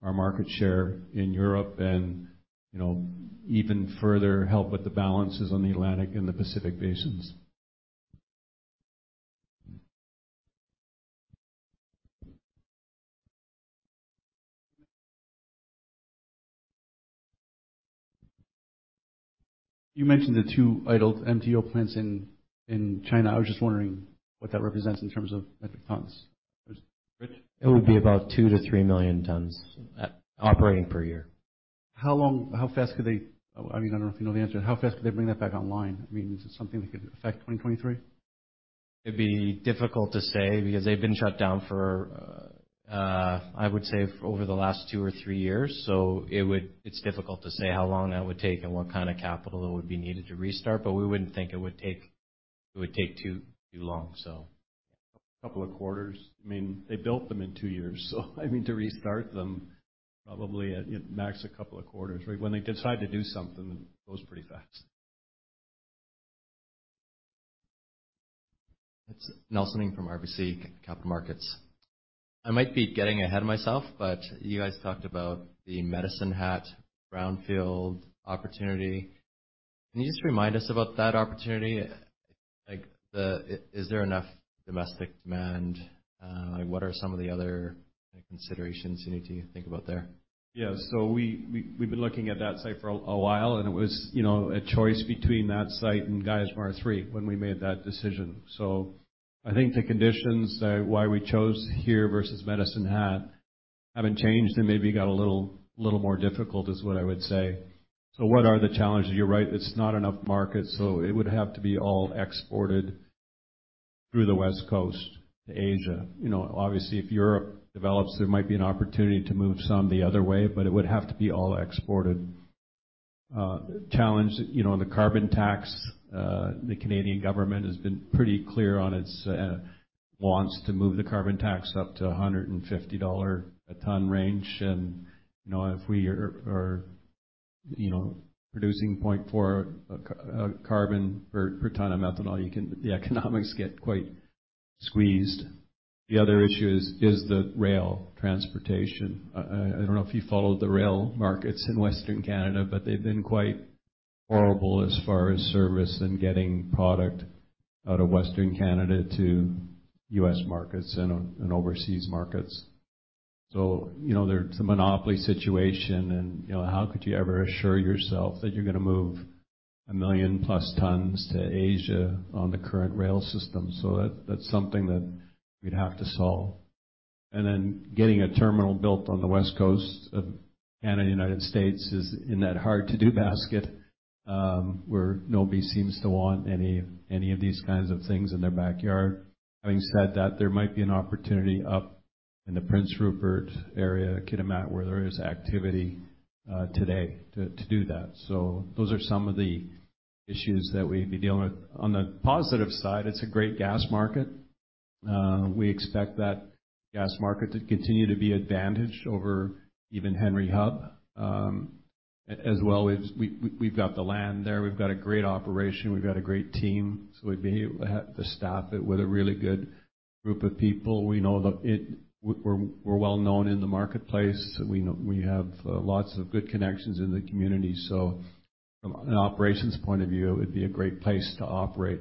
our market share in Europe and, you know, even further help with the balances on the Atlantic and the Pacific basins. You mentioned the two idled MTO plants in China. I was just wondering what that represents in terms of metric tons. Rich? It would be about 2 million-3 million tons operating per year. I mean, I don't know if you know the answer. How fast could they bring that back online? I mean, is it something that could affect 2023? It'd be difficult to say because they've been shut down for, I would say over the last two or three years. It's difficult to say how long that would take and what kinda capital it would be needed to restart, but we wouldn't think it would take too long, so. A couple of quarters. I mean, they built them in two years. I mean, to restart them, probably at max a couple of quarters. Right? When they decide to do something, it goes pretty fast. It's Nelson Ng from RBC Capital Markets. I might be getting ahead of myself, but you guys talked about the Medicine Hat brownfield opportunity. Can you just remind us about that opportunity? Like, is there enough domestic demand? What are some of the other considerations you need to think about there? Yeah. We've been looking at that site for a while, and it was, you know, a choice between that site and Geismar 3 when we made that decision. I think the conditions that why we chose here versus Medicine Hat haven't changed and maybe got a little more difficult, is what I would say. What are the challenges? You're right, it's not enough market, so it would have to be all exported through the West Coast to Asia. You know, obviously, if Europe develops, there might be an opportunity to move some to the other way, but it would have to be all exported. Challenge, you know, in the carbon tax, the Canadian government has been pretty clear on its wants to move the carbon tax up to 150 dollar a ton range. You know, if we are producing 0.4 carbon per ton of methanol, you can see the economics get quite squeezed. The other issue is the rail transportation. I don't know if you followed the rail markets in Western Canada, but they've been quite horrible as far as service and getting product out of Western Canada to U.S. markets and overseas markets. You know, there's a monopoly situation and, you know, how could you ever assure yourself that you're gonna move 1 million+ tons to Asia on the current rail system? That, that's something that we'd have to solve. Then getting a terminal built on the West Coast of Canada and United States is in that hard to do basket, where nobody seems to want any of these kinds of things in their backyard. Having said that, there might be an opportunity up in the Prince Rupert area, Kitimat, where there is activity today to do that. Those are some of the issues that we'd be dealing with. On the positive side, it's a great gas market. We expect that gas market to continue to be advantaged over even Henry Hub. As well as we've got the land there. We've got a great operation. We've got a great team. We'd be able to staff it with a really good group of people. We're well known in the marketplace. We have lots of good connections in the community. From an operations point of view, it would be a great place to operate.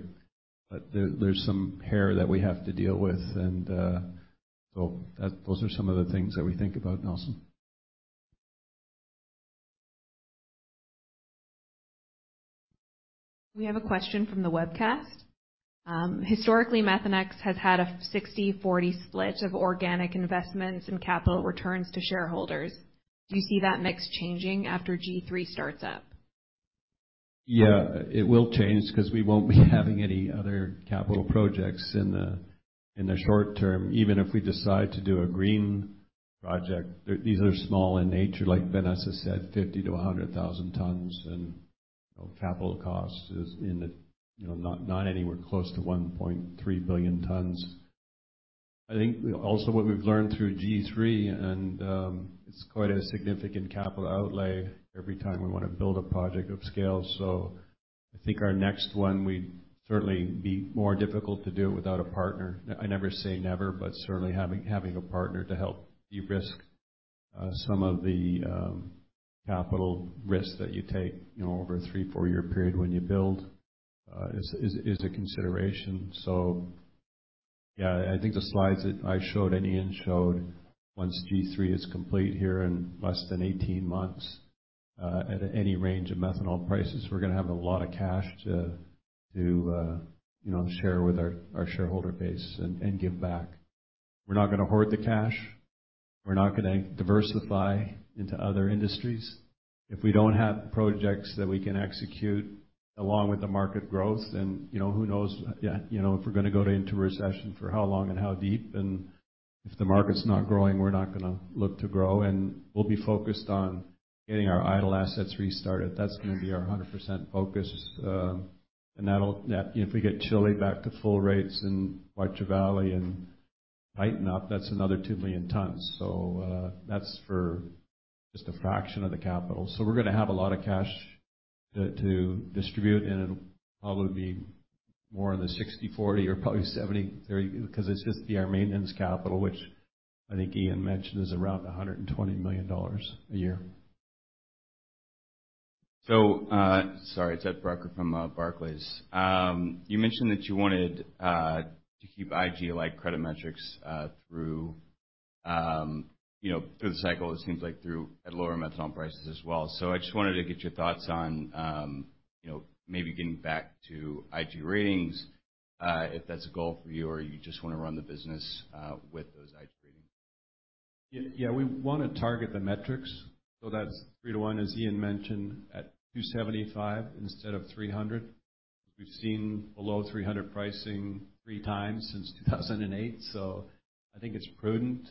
There's some hair that we have to deal with. Those are some of the things that we think about, Nelson. We have a question from the webcast. Historically, Methanex has had a 60/40 split of organic investments and capital returns to shareholders. Do you see that mix changing after G3 starts up? Yeah. It will change 'cause we won't be having any other capital projects in the short term. Even if we decide to do a green project, these are small in nature, like Vanessa said, 50,000-100,000 tons. Capital cost is in the, you know, not anywhere close to $1.3 billion. I think also what we've learned through G3 and it's quite a significant capital outlay every time we wanna build a project of scale. I think our next one we'd certainly be more difficult to do it without a partner. I never say never, but certainly having a partner to help derisk some of the capital risk that you take, you know, over a three or four-year period when you build is a consideration. Yeah, I think the slides that I showed and Ian showed, once G3 is complete here in less than 18 months, at any range of methanol prices, we're gonna have a lot of cash to you know, share with our shareholder base and give back. We're not gonna hoard the cash. We're not gonna diversify into other industries. If we don't have projects that we can execute along with the market growth, then, you know, who knows, you know, if we're gonna go into recession, for how long and how deep. If the market's not growing, we're not gonna look to grow, and we'll be focused on getting our idle assets restarted. That's gonna be our 100% focus. If we get Chile back to full rates and [Waitara] Valley and tighten up, that's another 2 million tons. That's for just a fraction of the capital. We're gonna have a lot of cash to distribute, and it'll probably be more in the 60/40 or probably 70/30, 'cause it's just our maintenance capital, which I think Ian mentioned is around $120 million a year. Sorry, [Ted Broeker] from Barclays. You mentioned that you wanted to keep IG-like credit metrics through, you know, through the cycle. It seems like through at lower methanol prices as well. I just wanted to get your thoughts on, you know, maybe getting back to IG ratings if that's a goal for you or you just wanna run the business with those IG ratings? Yeah, we wanna target the metrics. That's three to one, as Ian mentioned, at 275 instead of 300. We've seen below 300 pricing 3x since 2008. I think it's prudent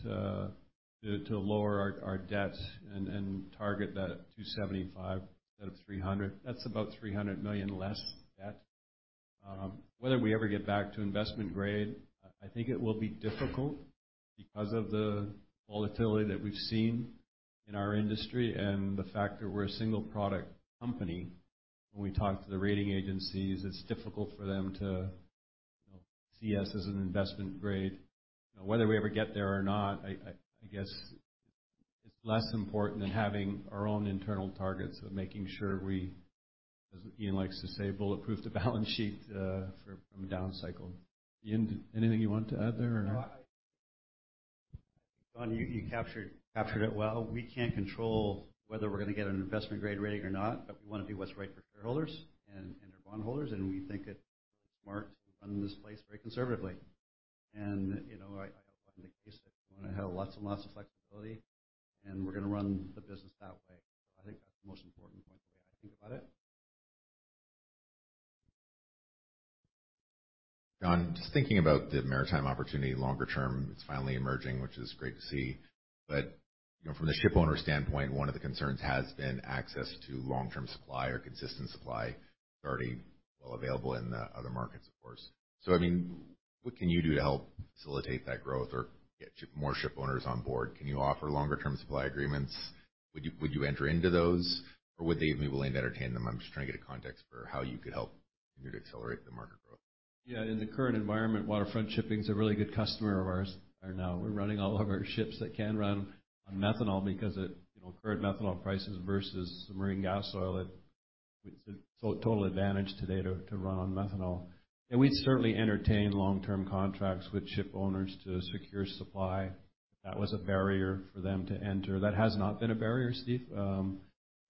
to lower our debts and target that 275 instead of 300. That's about $300 million less debt. Whether we ever get back to investment grade, I think it will be difficult because of the volatility that we've seen in our industry and the fact that we're a single-product company. When we talk to the rating agencies, it's difficult for them to see us as an investment grade. Whether we ever get there or not, I guess it's less important than having our own internal targets of making sure we, as Ian likes to say, bulletproof the balance sheet for downcycle. Ian, anything you want to add there or no? No. I think, you captured it well. We can't control whether we're gonna get an investment-grade rating or not, but we wanna do what's right for shareholders and their bondholders, and we think it's smart to run this place very conservatively. You know, I outlined the case that we wanna have lots and lots of flexibility, and we're gonna run the business that way. I think that's the most important point, the way I think about it. John, just thinking about the maritime opportunity longer term, it's finally emerging, which is great to see. From the shipowner standpoint, one of the concerns has been access to long-term supply or consistent supply. It's already well available in the other markets, of course. I mean, what can you do to help facilitate that growth or get more shipowners on board? Can you offer longer term supply agreements? Would you enter into those, or would they even be willing to entertain them? I'm just trying to get a context for how you could help continue to accelerate the market growth. Yeah. In the current environment, Waterfront Shipping is a really good customer of ours. Now we're running all of our ships that can run on methanol because it, you know, current methanol prices versus marine gas oil, it's a total advantage today to run on methanol. We'd certainly entertain long-term contracts with shipowners to secure supply. That was a barrier for them to enter. That has not been a barrier, Steve.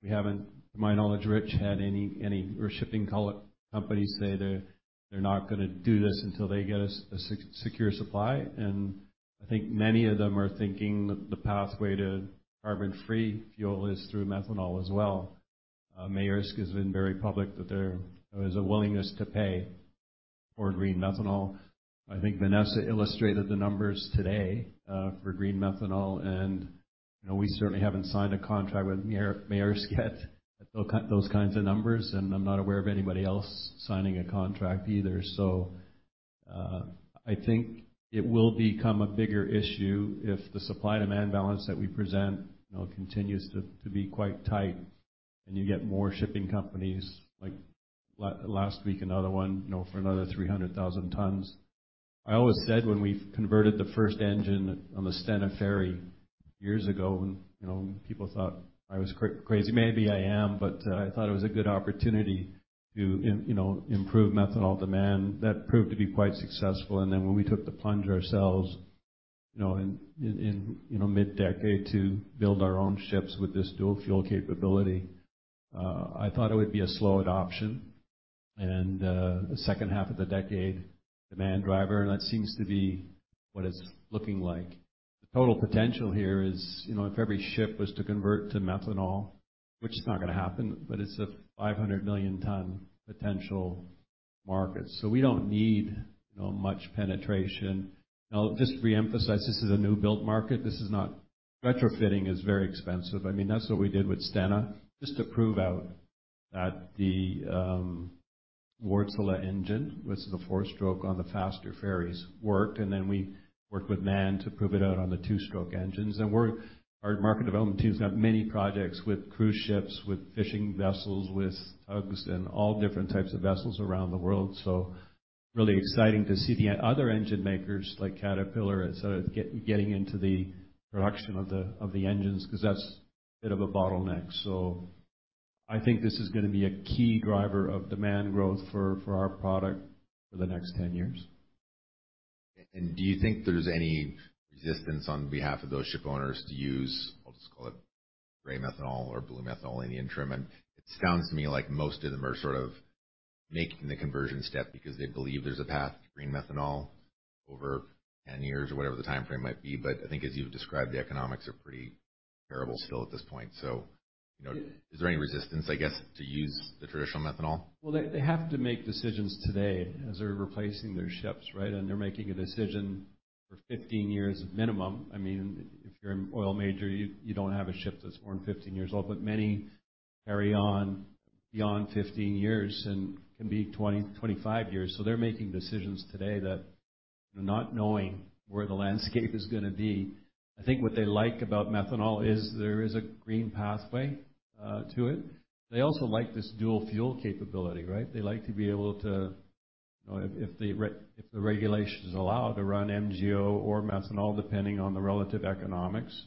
We haven't, to my knowledge, Rich, had any shipping companies say they're not gonna do this until they get a secure supply. I think many of them are thinking the pathway to carbon-free fuel is through methanol as well. Maersk has been very public that there is a willingness to pay for green methanol. I think Vanessa illustrated the numbers today for green methanol, and, you know, we certainly haven't signed a contract with Maersk yet, at those kinds of numbers, and I'm not aware of anybody else signing a contract either. I think it will become a bigger issue if the supply-demand balance that we present, you know, continues to be quite tight and you get more shipping companies. Like last week, another one, you know, for another 300,000 tons. I always said when we converted the first engine on the Stena Line years ago, and, you know, people thought I was crazy. Maybe I am, but I thought it was a good opportunity to, you know, improve methanol demand. That proved to be quite successful. When we took the plunge ourselves. You know, in mid-decade to build our own ships with this dual-fuel capability. I thought it would be a slow adoption. The second half of the decade demand driver, and that seems to be what it's looking like. The total potential here is, you know, if every ship was to convert to methanol, which is not gonna happen, but it's a 500 million ton potential market. So we don't need, you know, much penetration. I'll just reemphasize, this is a new build market. This is not retrofitting. Retrofitting is very expensive. I mean, that's what we did with Stena, just to prove out that the Wärtsilä engine, which is the four-stroke on the faster ferries, worked, and then we worked with MAN to prove it out on the two-stroke engines. Our market development team's got many projects with cruise ships, with fishing vessels, with tugs, and all different types of vessels around the world. Really exciting to see the other engine makers, like Caterpillar, et cetera, getting into the production of the engines 'cause that's a bit of a bottleneck. I think this is gonna be a key driver of demand growth for our product for the next 10 years. Do you think there's any resistance on behalf of those shipowners to use, I'll just call it gray methanol or blue methanol in the interim? It sounds to me like most of them are sort of making the conversion step because they believe there's a path to green methanol over 10 years or whatever the timeframe might be. I think as you've described, the economics are pretty terrible still at this point. You know, is there any resistance, I guess, to use the traditional methanol? Well, they have to make decisions today as they're replacing their ships, right? They're making a decision for 15 years minimum. I mean, if you're an oil major, you don't have a ship that's more than 15 years old, but many carry on beyond 15 years and can be 20, 25 years. They're making decisions today that not knowing where the landscape is gonna be. I think what they like about methanol is there is a green pathway to it. They also like this dual-fuel capability, right? They like to be able to, you know, if the regulations allow to run MGO or methanol, depending on the relative economics.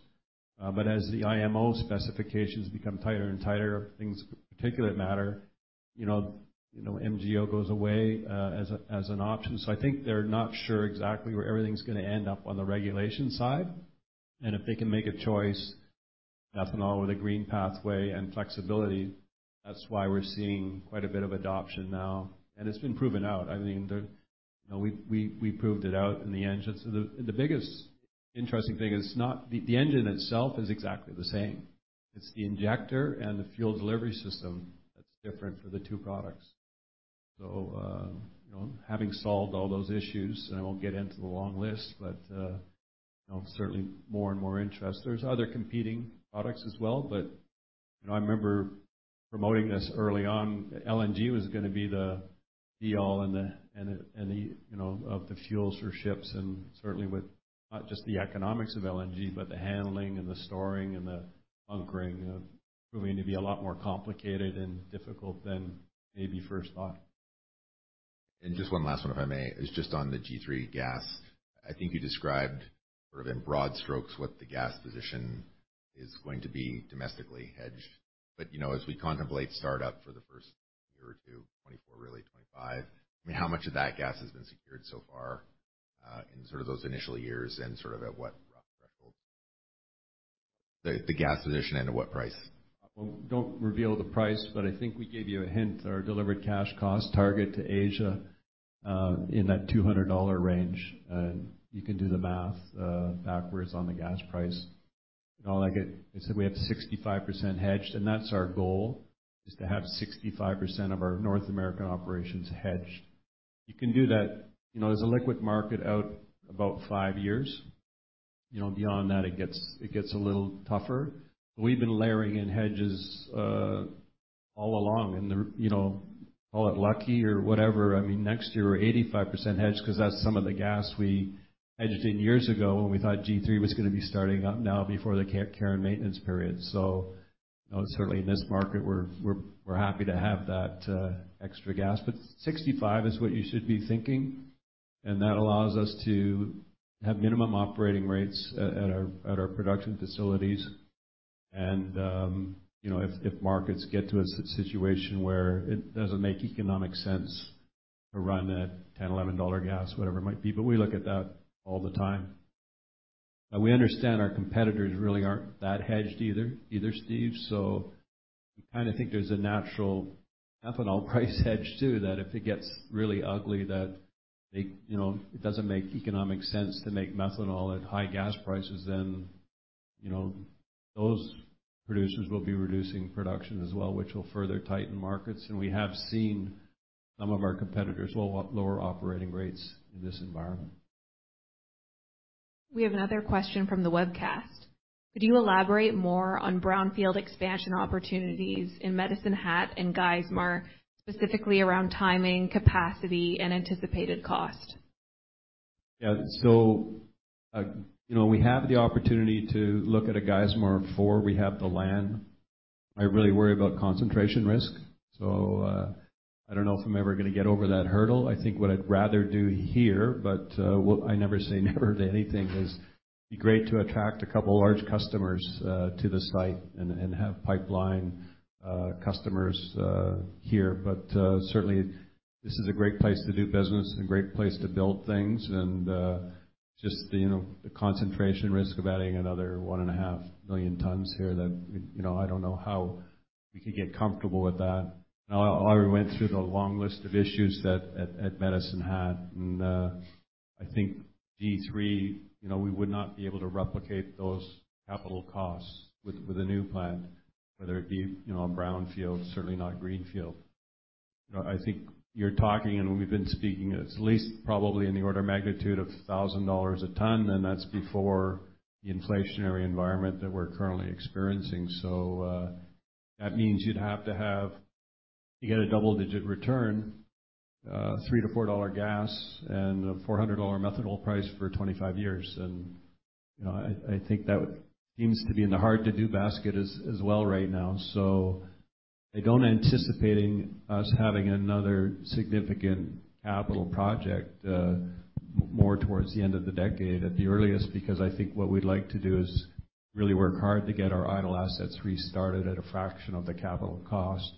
As the IMO specifications become tighter and tighter, things particulate matter, you know, MGO goes away as an option. I think they're not sure exactly where everything's gonna end up on the regulation side. If they can make a choice, methanol with a green pathway and flexibility, that's why we're seeing quite a bit of adoption now. It's been proven out. We proved it out in the engines. The biggest interesting thing is not the engine. The engine itself is exactly the same. It's the injector and the fuel delivery system that's different for the two products. Having solved all those issues, and I won't get into the long list, but certainly more and more interest. There's other competing products as well. You know, I remember promoting this early on. LNG was gonna be the be-all and end-all, you know, of the fuels for ships, and certainly with not just the economics of LNG, but the handling and the storing and the bunkering proving to be a lot more complicated and difficult than maybe first thought. Just one last one, if I may. It's just on the G3 gas. I think you described sort of in broad strokes what the gas position is going to be domestically hedged. You know, as we contemplate startup for the first year or two, 2024, really 2025, I mean, how much of that gas has been secured so far, in sort of those initial years and sort of at what rough threshold, the gas position and at what price? Well, don't reveal the price, but I think we gave you a hint. Our delivered cash cost target to Asia in that $200 range. You can do the math backwards on the gas price. You know, like I said, we have 65% hedged, and that's our goal, is to have 65% of our North American operations hedged. You can do that. You know, there's a liquid market out about five years. You know, beyond that, it gets a little tougher. We've been layering in hedges all along, and they're, you know, call it lucky or whatever. I mean, next year, we're 85% hedged 'cause that's some of the gas we hedged in years ago when we thought G3 was gonna be starting up now before the Caribbean maintenance period. You know, certainly in this market, we're happy to have that extra gas. But 65 is what you should be thinking, and that allows us to have minimum operating rates at our production facilities. You know, if markets get to a situation where it doesn't make economic sense to run at $10-$11 gas, whatever it might be, but we look at that all the time. We understand our competitors really aren't that hedged either, Steve. I kinda think there's a natural methanol price hedge too, that if it gets really ugly, it doesn't make economic sense to make methanol at high gas prices, then those producers will be reducing production as well, which will further tighten markets. We have seen some of our competitors lower operating rates in this environment. We have another question from the webcast. Could you elaborate more on brownfield expansion opportunities in Medicine Hat and Geismar, specifically around timing, capacity, and anticipated cost? You know, we have the opportunity to look at a Geismar 4. We have the land. I really worry about concentration risk. I don't know if I'm ever gonna get over that hurdle. I think what I'd rather do here, well, I never say never to anything, is be great to attract a couple large customers to the site and have pipeline customers here. Certainly, this is a great place to do business and a great place to build things. Just the, you know, the concentration risk of adding another 1.5 million tons here that, you know, I don't know how we could get comfortable with that. I already went through the long list of issues that Medicine Hat had, and I think G3, you know, we would not be able to replicate those capital costs with a new plant, whether it be, you know, a brownfield, certainly not greenfield. You know, I think you're talking, and we've been speaking, it's at least probably in the order of magnitude of $1,000 a ton, and that's before the inflationary environment that we're currently experiencing. That means you'd have to have a double-digit return, $3-$4 gas and a $400 methanol price for 25 years. You know, I think that seems to be in the hard to do basket as well right now. I don't anticipate us having another significant capital project more towards the end of the decade at the earliest, because I think what we'd like to do is really work hard to get our idle assets restarted at a fraction of the capital cost.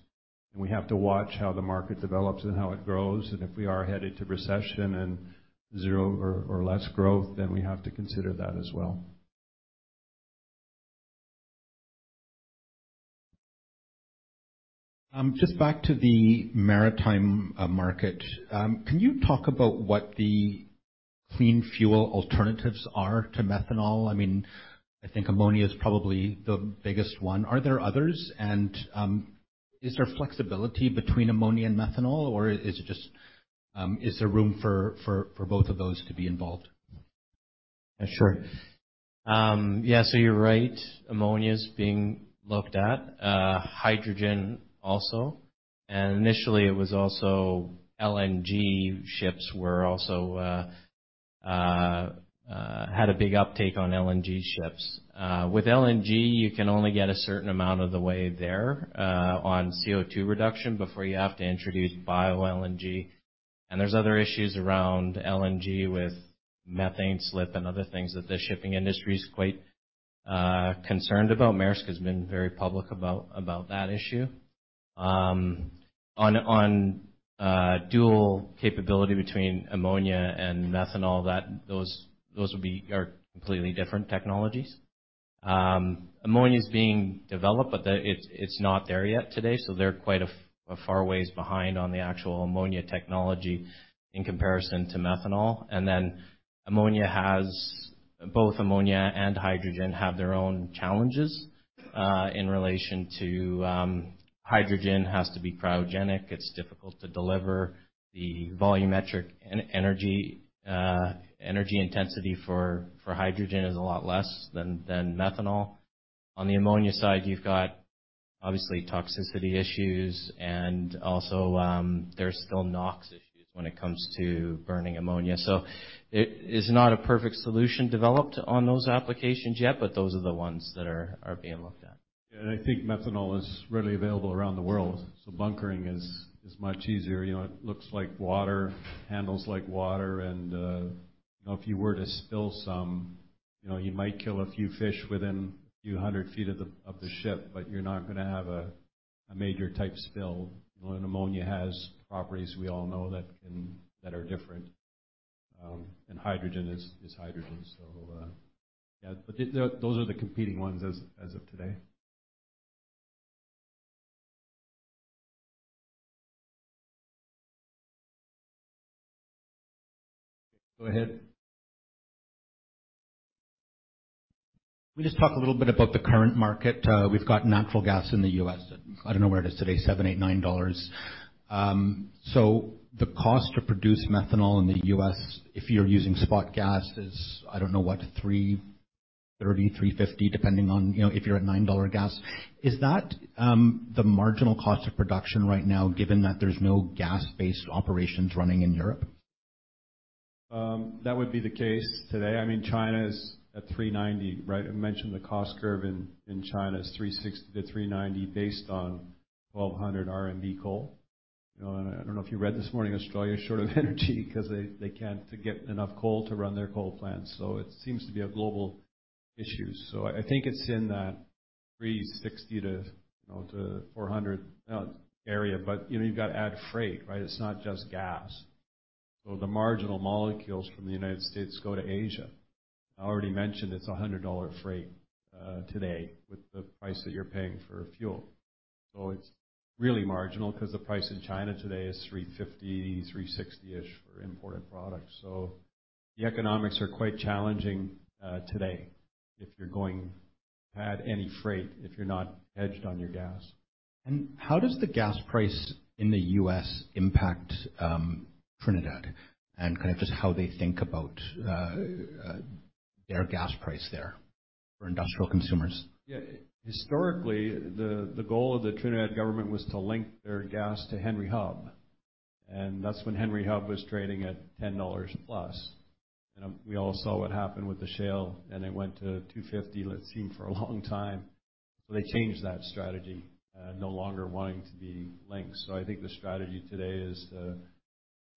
We have to watch how the market develops and how it grows. If we are headed to recession and zero or less growth, then we have to consider that as well. Just back to the maritime market. Can you talk about what the clean fuel alternatives are to methanol? I mean, I think ammonia is probably the biggest one. Are there others? Is there flexibility between ammonia and methanol, or is it just, is there room for both of those to be involved? Yeah, sure. Yeah, so you're right. Ammonia's being looked at. Hydrogen also. Initially, LNG ships had a big uptake. With LNG, you can only get a certain amount of the way there on CO₂ reduction before you have to introduce bio-LNG. There's other issues around LNG with methane slip and other things that the shipping industry is quite concerned about. Maersk has been very public about that issue. On dual capability between ammonia and methanol, those are completely different technologies. Ammonia is being developed, but it's not there yet today, so they're quite a far ways behind on the actual ammonia technology in comparison to methanol. Ammonia has Both ammonia and hydrogen have their own challenges in relation to. Hydrogen has to be cryogenic. It's difficult to deliver. The volumetric energy intensity for hydrogen is a lot less than methanol. On the ammonia side, you've got obviously toxicity issues and also, there's still NOx issues when it comes to burning ammonia. It is not a perfect solution developed on those applications yet, but those are the ones that are being looked at. Yeah, I think methanol is readily available around the world, so bunkering is much easier. You know, it looks like water, handles like water, and you know, if you were to spill some, you know, you might kill a few fish within a few hundred feet of the ship, but you're not gonna have a major type spill. You know, ammonia has properties we all know that are different. Hydrogen is hydrogen. Yeah. But those are the competing ones as of today. Go ahead. Can we just talk a little bit about the current market? We've got natural gas in the U.S. at, I don't know where it is today, $7, $8, $9. The cost to produce methanol in the U.S. if you're using spot gas is, I don't know what, $330, $350, depending on, you know, if you're at $9 gas. Is that the marginal cost of production right now, given that there's no gas-based operations running in Europe? That would be the case today. I mean, China is at $390, right? I mentioned the cost curve in China is $360-$390 based on 1,200 RMB coal. You know, I don't know if you read this morning, Australia's short of energy cause they can't get enough coal to run their coal plants. It seems to be a global issue. I think it's in that $360 to, you know, to $400, area. You know, you've got to add freight, right? It's not just gas. The marginal molecules from the United States go to Asia. I already mentioned it's a $100 freight, today with the price that you're paying for fuel. So, it's really marginal 'cause the price in China today is $350, 360-ish for imported products. The economics are quite challenging today if you're going to add any freight, if you're not hedged on your gas. How does the gas price in the U.S. impact Trinidad and kind of just how they think about their gas price there for industrial consumers? Yeah. Historically, the goal of the Trinidad government was to link their gas to Henry Hub, and that's when Henry Hub was trading at $10+. We all saw what happened with the shale, and it went to $2.50, it seemed, for a long time. They changed that strategy, no longer wanting to be linked. I think the strategy today is,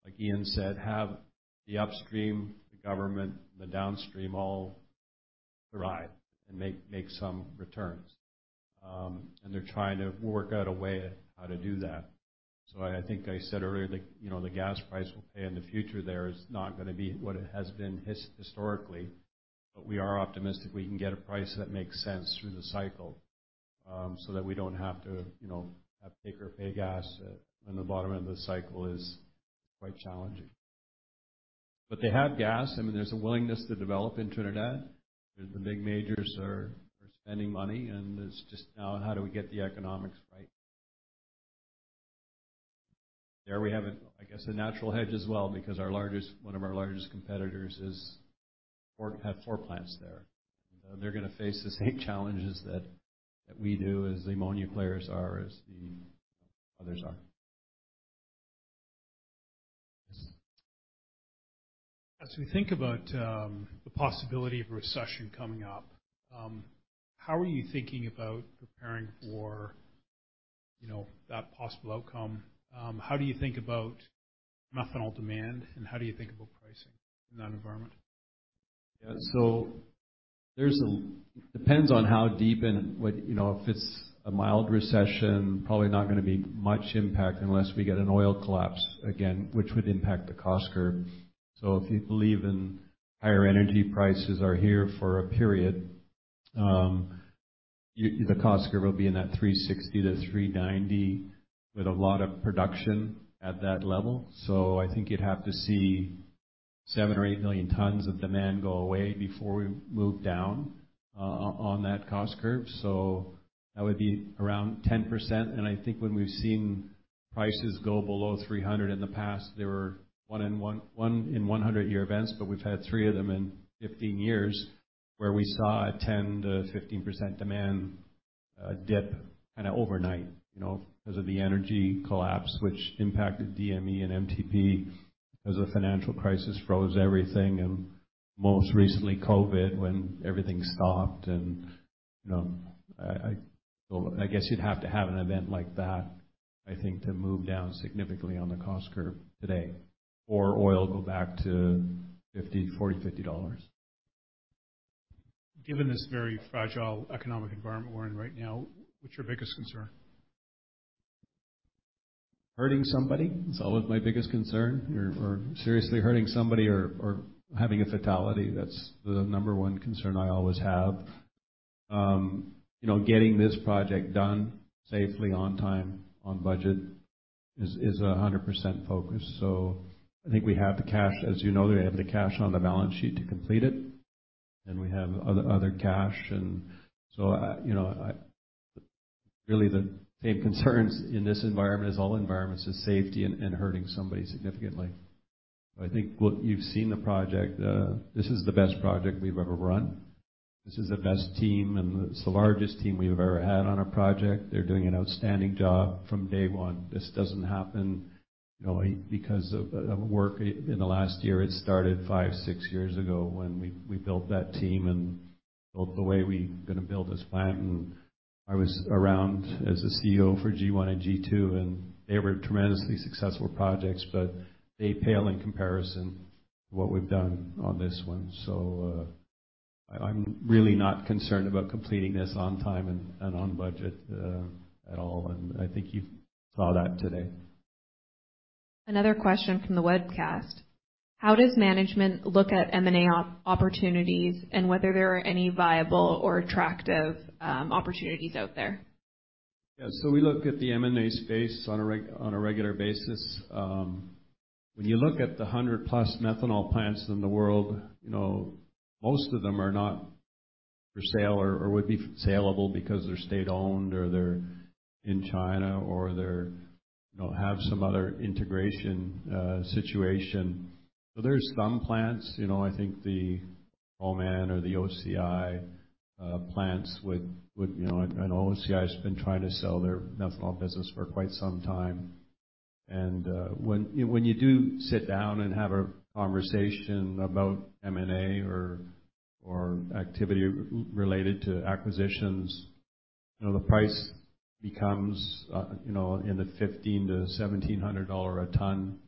like Ian said, to have the upstream, the government, and the downstream all arrive and make some returns. They're trying to work out a way how to do that. I think I said earlier, you know, the gas price we will pay in the future there is not gonna be what it has been historically, but we are optimistic we can get a price that makes sense through the cycle, so that we don't have to, you know, have take-or-pay gas on the bottom end of the cycle is quite challenging. They have gas. I mean, there's a willingness to develop in Trinidad. The big majors are spending money, and it's just how do we get the economics right. There we have, I guess, a natural hedge as well because one of our largest competitors have four plants there. They're gonna face the same challenges that we do as the ammonia players are, as the others are. As we think about the possibility of a recession coming up, how are you thinking about preparing for, you know, that possible outcome? How do you think about methanol demand, and how do you think about pricing in that environment? Yeah. Depends on how deep and what, you know, if it's a mild recession, probably not gonna be much impact unless we get an oil collapse again, which would impact the cost curve. If you believe in higher energy prices are here for a period, the cost curve will be in that $360-$390 with a lot of production at that level. I think you'd have to see 7 or 8 million tons of demand go away before we move down on that cost curve. That would be around 10%. I think when we've seen prices go below 300 in the past, there were one in 100-year events, but we've had three of them in 15 years, where we saw a 10%-15% demand dip kinda overnight, you know, because of the energy collapse, which impacted DME and MTP as the financial crisis froze everything, and most recently COVID, when everything stopped. You know, so I guess you'd have to have an event like that, I think, to move down significantly on the cost curve today or oil go back to $40-$50. Given this very fragile economic environment we're in right now, what's your biggest concern? Hurting somebody is always my biggest concern. Or seriously hurting somebody or having a fatality, that's the number one concern I always have. You know, getting this project done safely on time, on budget is 100% focus. I think we have the cash. As you know, we have the cash on the balance sheet to complete it, and we have other cash. You know, really the same concerns in this environment as all environments is safety and hurting somebody significantly. I think what you've seen the project, this is the best project we've ever run. This is the best team, and it's the largest team we've ever had on a project. They're doing an outstanding job from day one. This doesn't happen, you know, because of work in the last year. It started five, six years ago when we built that team and built the way we gonna build this plant. I was around as a CEO for G1 and G2, and they were tremendously successful projects, but they pale in comparison to what we've done on this one. I'm really not concerned about completing this on time and on budget at all. I think you saw that today. Another question from the webcast: How does management look at M&A opportunities and whether there are any viable or attractive opportunities out there? Yeah. We look at the M&A space on a regular basis. When you look at the 100+ methanol plants in the world, you know, most of them are not for sale or would be saleable because they're state-owned or they're in China or they're, you know, have some other integration situation. There's some plants, you know, I think the Oman or the OCI plants would, you know. I know OCI has been trying to sell their methanol business for quite some time. When you do sit down and have a conversation about M&A or activity related to acquisitions, you know, the price becomes, you know, in the $1,500-$1,700 a ton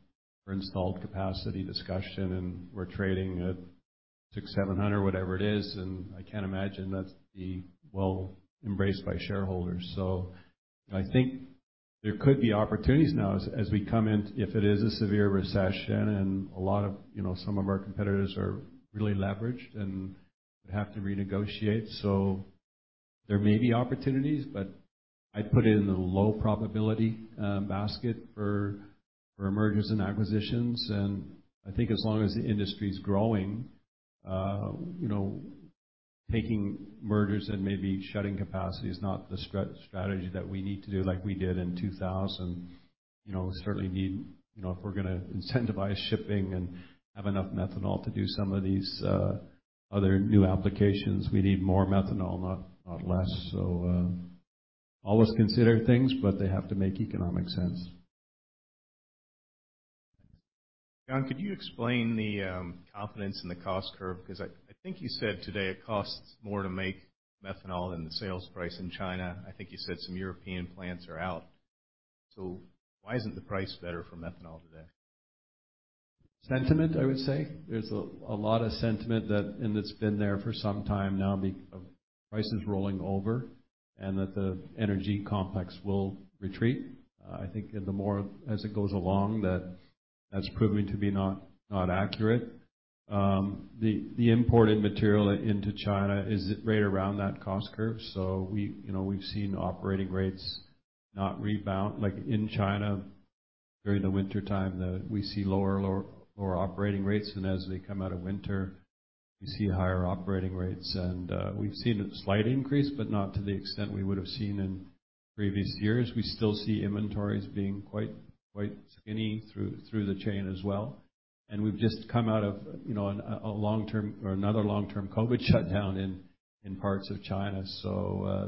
for installed capacity discussion, and we're trading at $600-$700, whatever it is. I can't imagine that's being well embraced by shareholders. I think there could be opportunities now as we come in, if it is a severe recession and a lot of some of our competitors are really leveraged and have to renegotiate. There may be opportunities, but I'd put it in the low probability basket for mergers and acquisitions. I think as long as the industry is growing, taking mergers and maybe shutting capacity is not the strategy that we need to do like we did in 2000. We certainly need if we're gonna incentivize shipping and have enough methanol to do some of these other new applications, we need more methanol, not less. Always consider things, but they have to make economic sense. John, could you explain the confidence in the cost curve? Because I think you said today it costs more to make methanol than the sales price in China. I think you said some European plants are out. Why isn't the price better for methanol today? Sentiment, I would say. There's a lot of sentiment and it's been there for some time now because of prices rolling over and that the energy complex will retreat. I think the more as it goes along, that's proving to be not accurate. The imported material into China is right around that cost curve. So we, you know, we've seen operating rates not rebound. Like in China, during the wintertime, we see lower operating rates. As they come out of winter, we see higher operating rates. We've seen a slight increase, but not to the extent we would have seen in previous years. We still see inventories being quite skinny through the chain as well. We've just come out of, you know, a long-term or another long-term COVID shutdown in parts of China.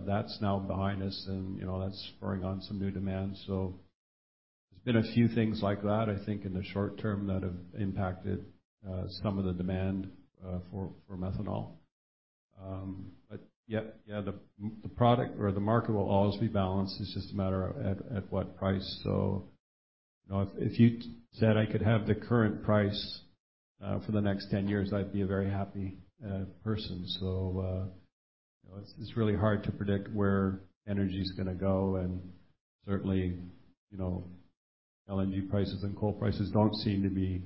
That's now behind us and, you know, that's spurring on some new demand. There's been a few things like that, I think in the short-term that have impacted some of the demand for methanol. Yeah, the product or the market will always be balanced. It's just a matter of at what price. You know, if you said I could have the current price for the next 10 years, I'd be a very happy person. You know, it's really hard to predict where energy is gonna go. Certainly, you know, LNG prices and coal prices don't seem to be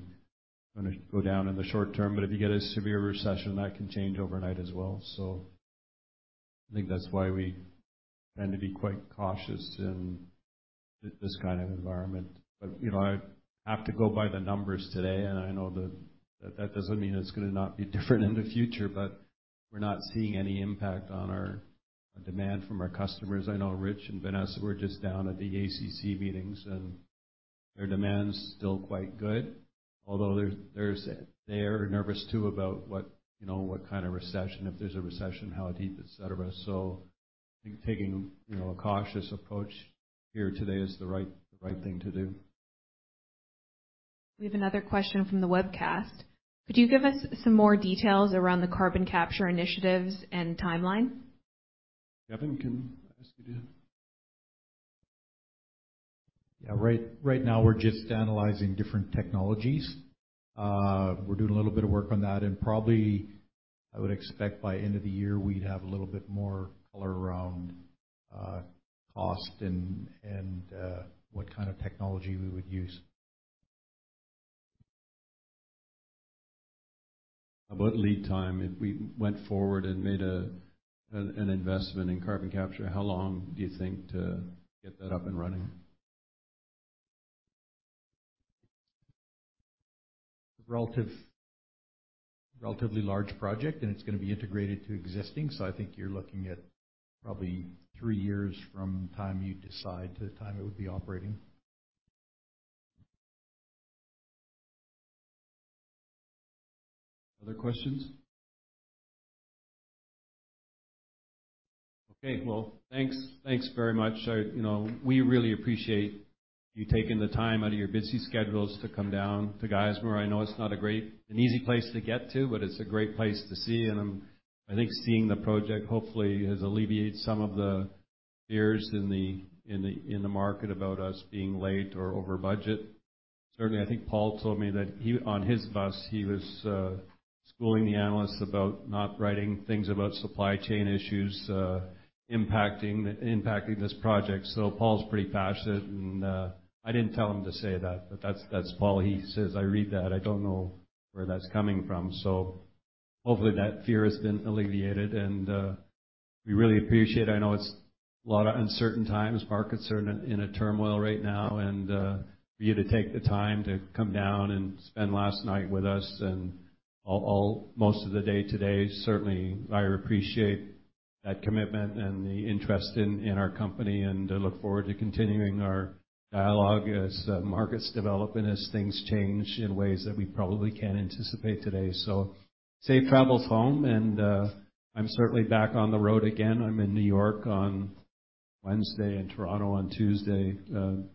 gonna go down in the short term. If you get a severe recession, that can change overnight as well. I think that's why we tend to be quite cautious in this kind of environment. You know, I have to go by the numbers today, and I know that doesn't mean it's gonna not be different in the future, but we're not seeing any impact on our demand from our customers. I know Rich and Vanessa were just down at the ACC meetings, and their demand's still quite good. Although they're nervous too about what, you know, what kind of recession. If there's a recession, how deep, et cetera. I think taking, you know, a cautious approach here today is the right thing to do. We have another question from the webcast. Could you give us some more details around the carbon capture initiatives and timeline? Kevin, can I ask you to? Yeah. Right now we're just analyzing different technologies. We're doing a little bit of work on that, and probably I would expect by end of the year, we'd have a little bit more color around cost and what kind of technology we would use. About lead time, if we went forward and made an investment in carbon capture, how long do you think to get that up and running? Relatively large project, and it's gonna be integrated to existing. I think you're looking at probably three years from the time you decide to the time it would be operating. Other questions? Okay. Well, thanks very much. You know, we really appreciate you taking the time out of your busy schedules to come down to Geismar. I know it's not a great, an easy place to get to, but it's a great place to see. I think seeing the project hopefully has alleviated some of the fears in the market about us being late or over budget. Certainly, I think Paul told me that. On his bus, he was schooling the analysts about not writing things about supply chain issues impacting this project. Paul's pretty passionate, and I didn't tell him to say that. That's Paul. He says, "I read that. I don't know where that's coming from." Hopefully that fear has been alleviated, and we really appreciate. I know it's a lot of uncertain times. Markets are in a turmoil right now and for you to take the time to come down and spend last night with us and all, most of the day today. Certainly, I appreciate that commitment and the interest in our company. I look forward to continuing our dialogue as markets develop and as things change in ways that we probably can't anticipate today. Safe travels home and I'm certainly back on the road again. I'm in New York on Wednesday and Toronto on Tuesday,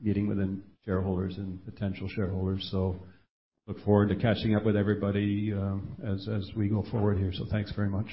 meeting with the shareholders and potential shareholders. Look forward to catching up with everybody, as we go forward here. Thanks very much.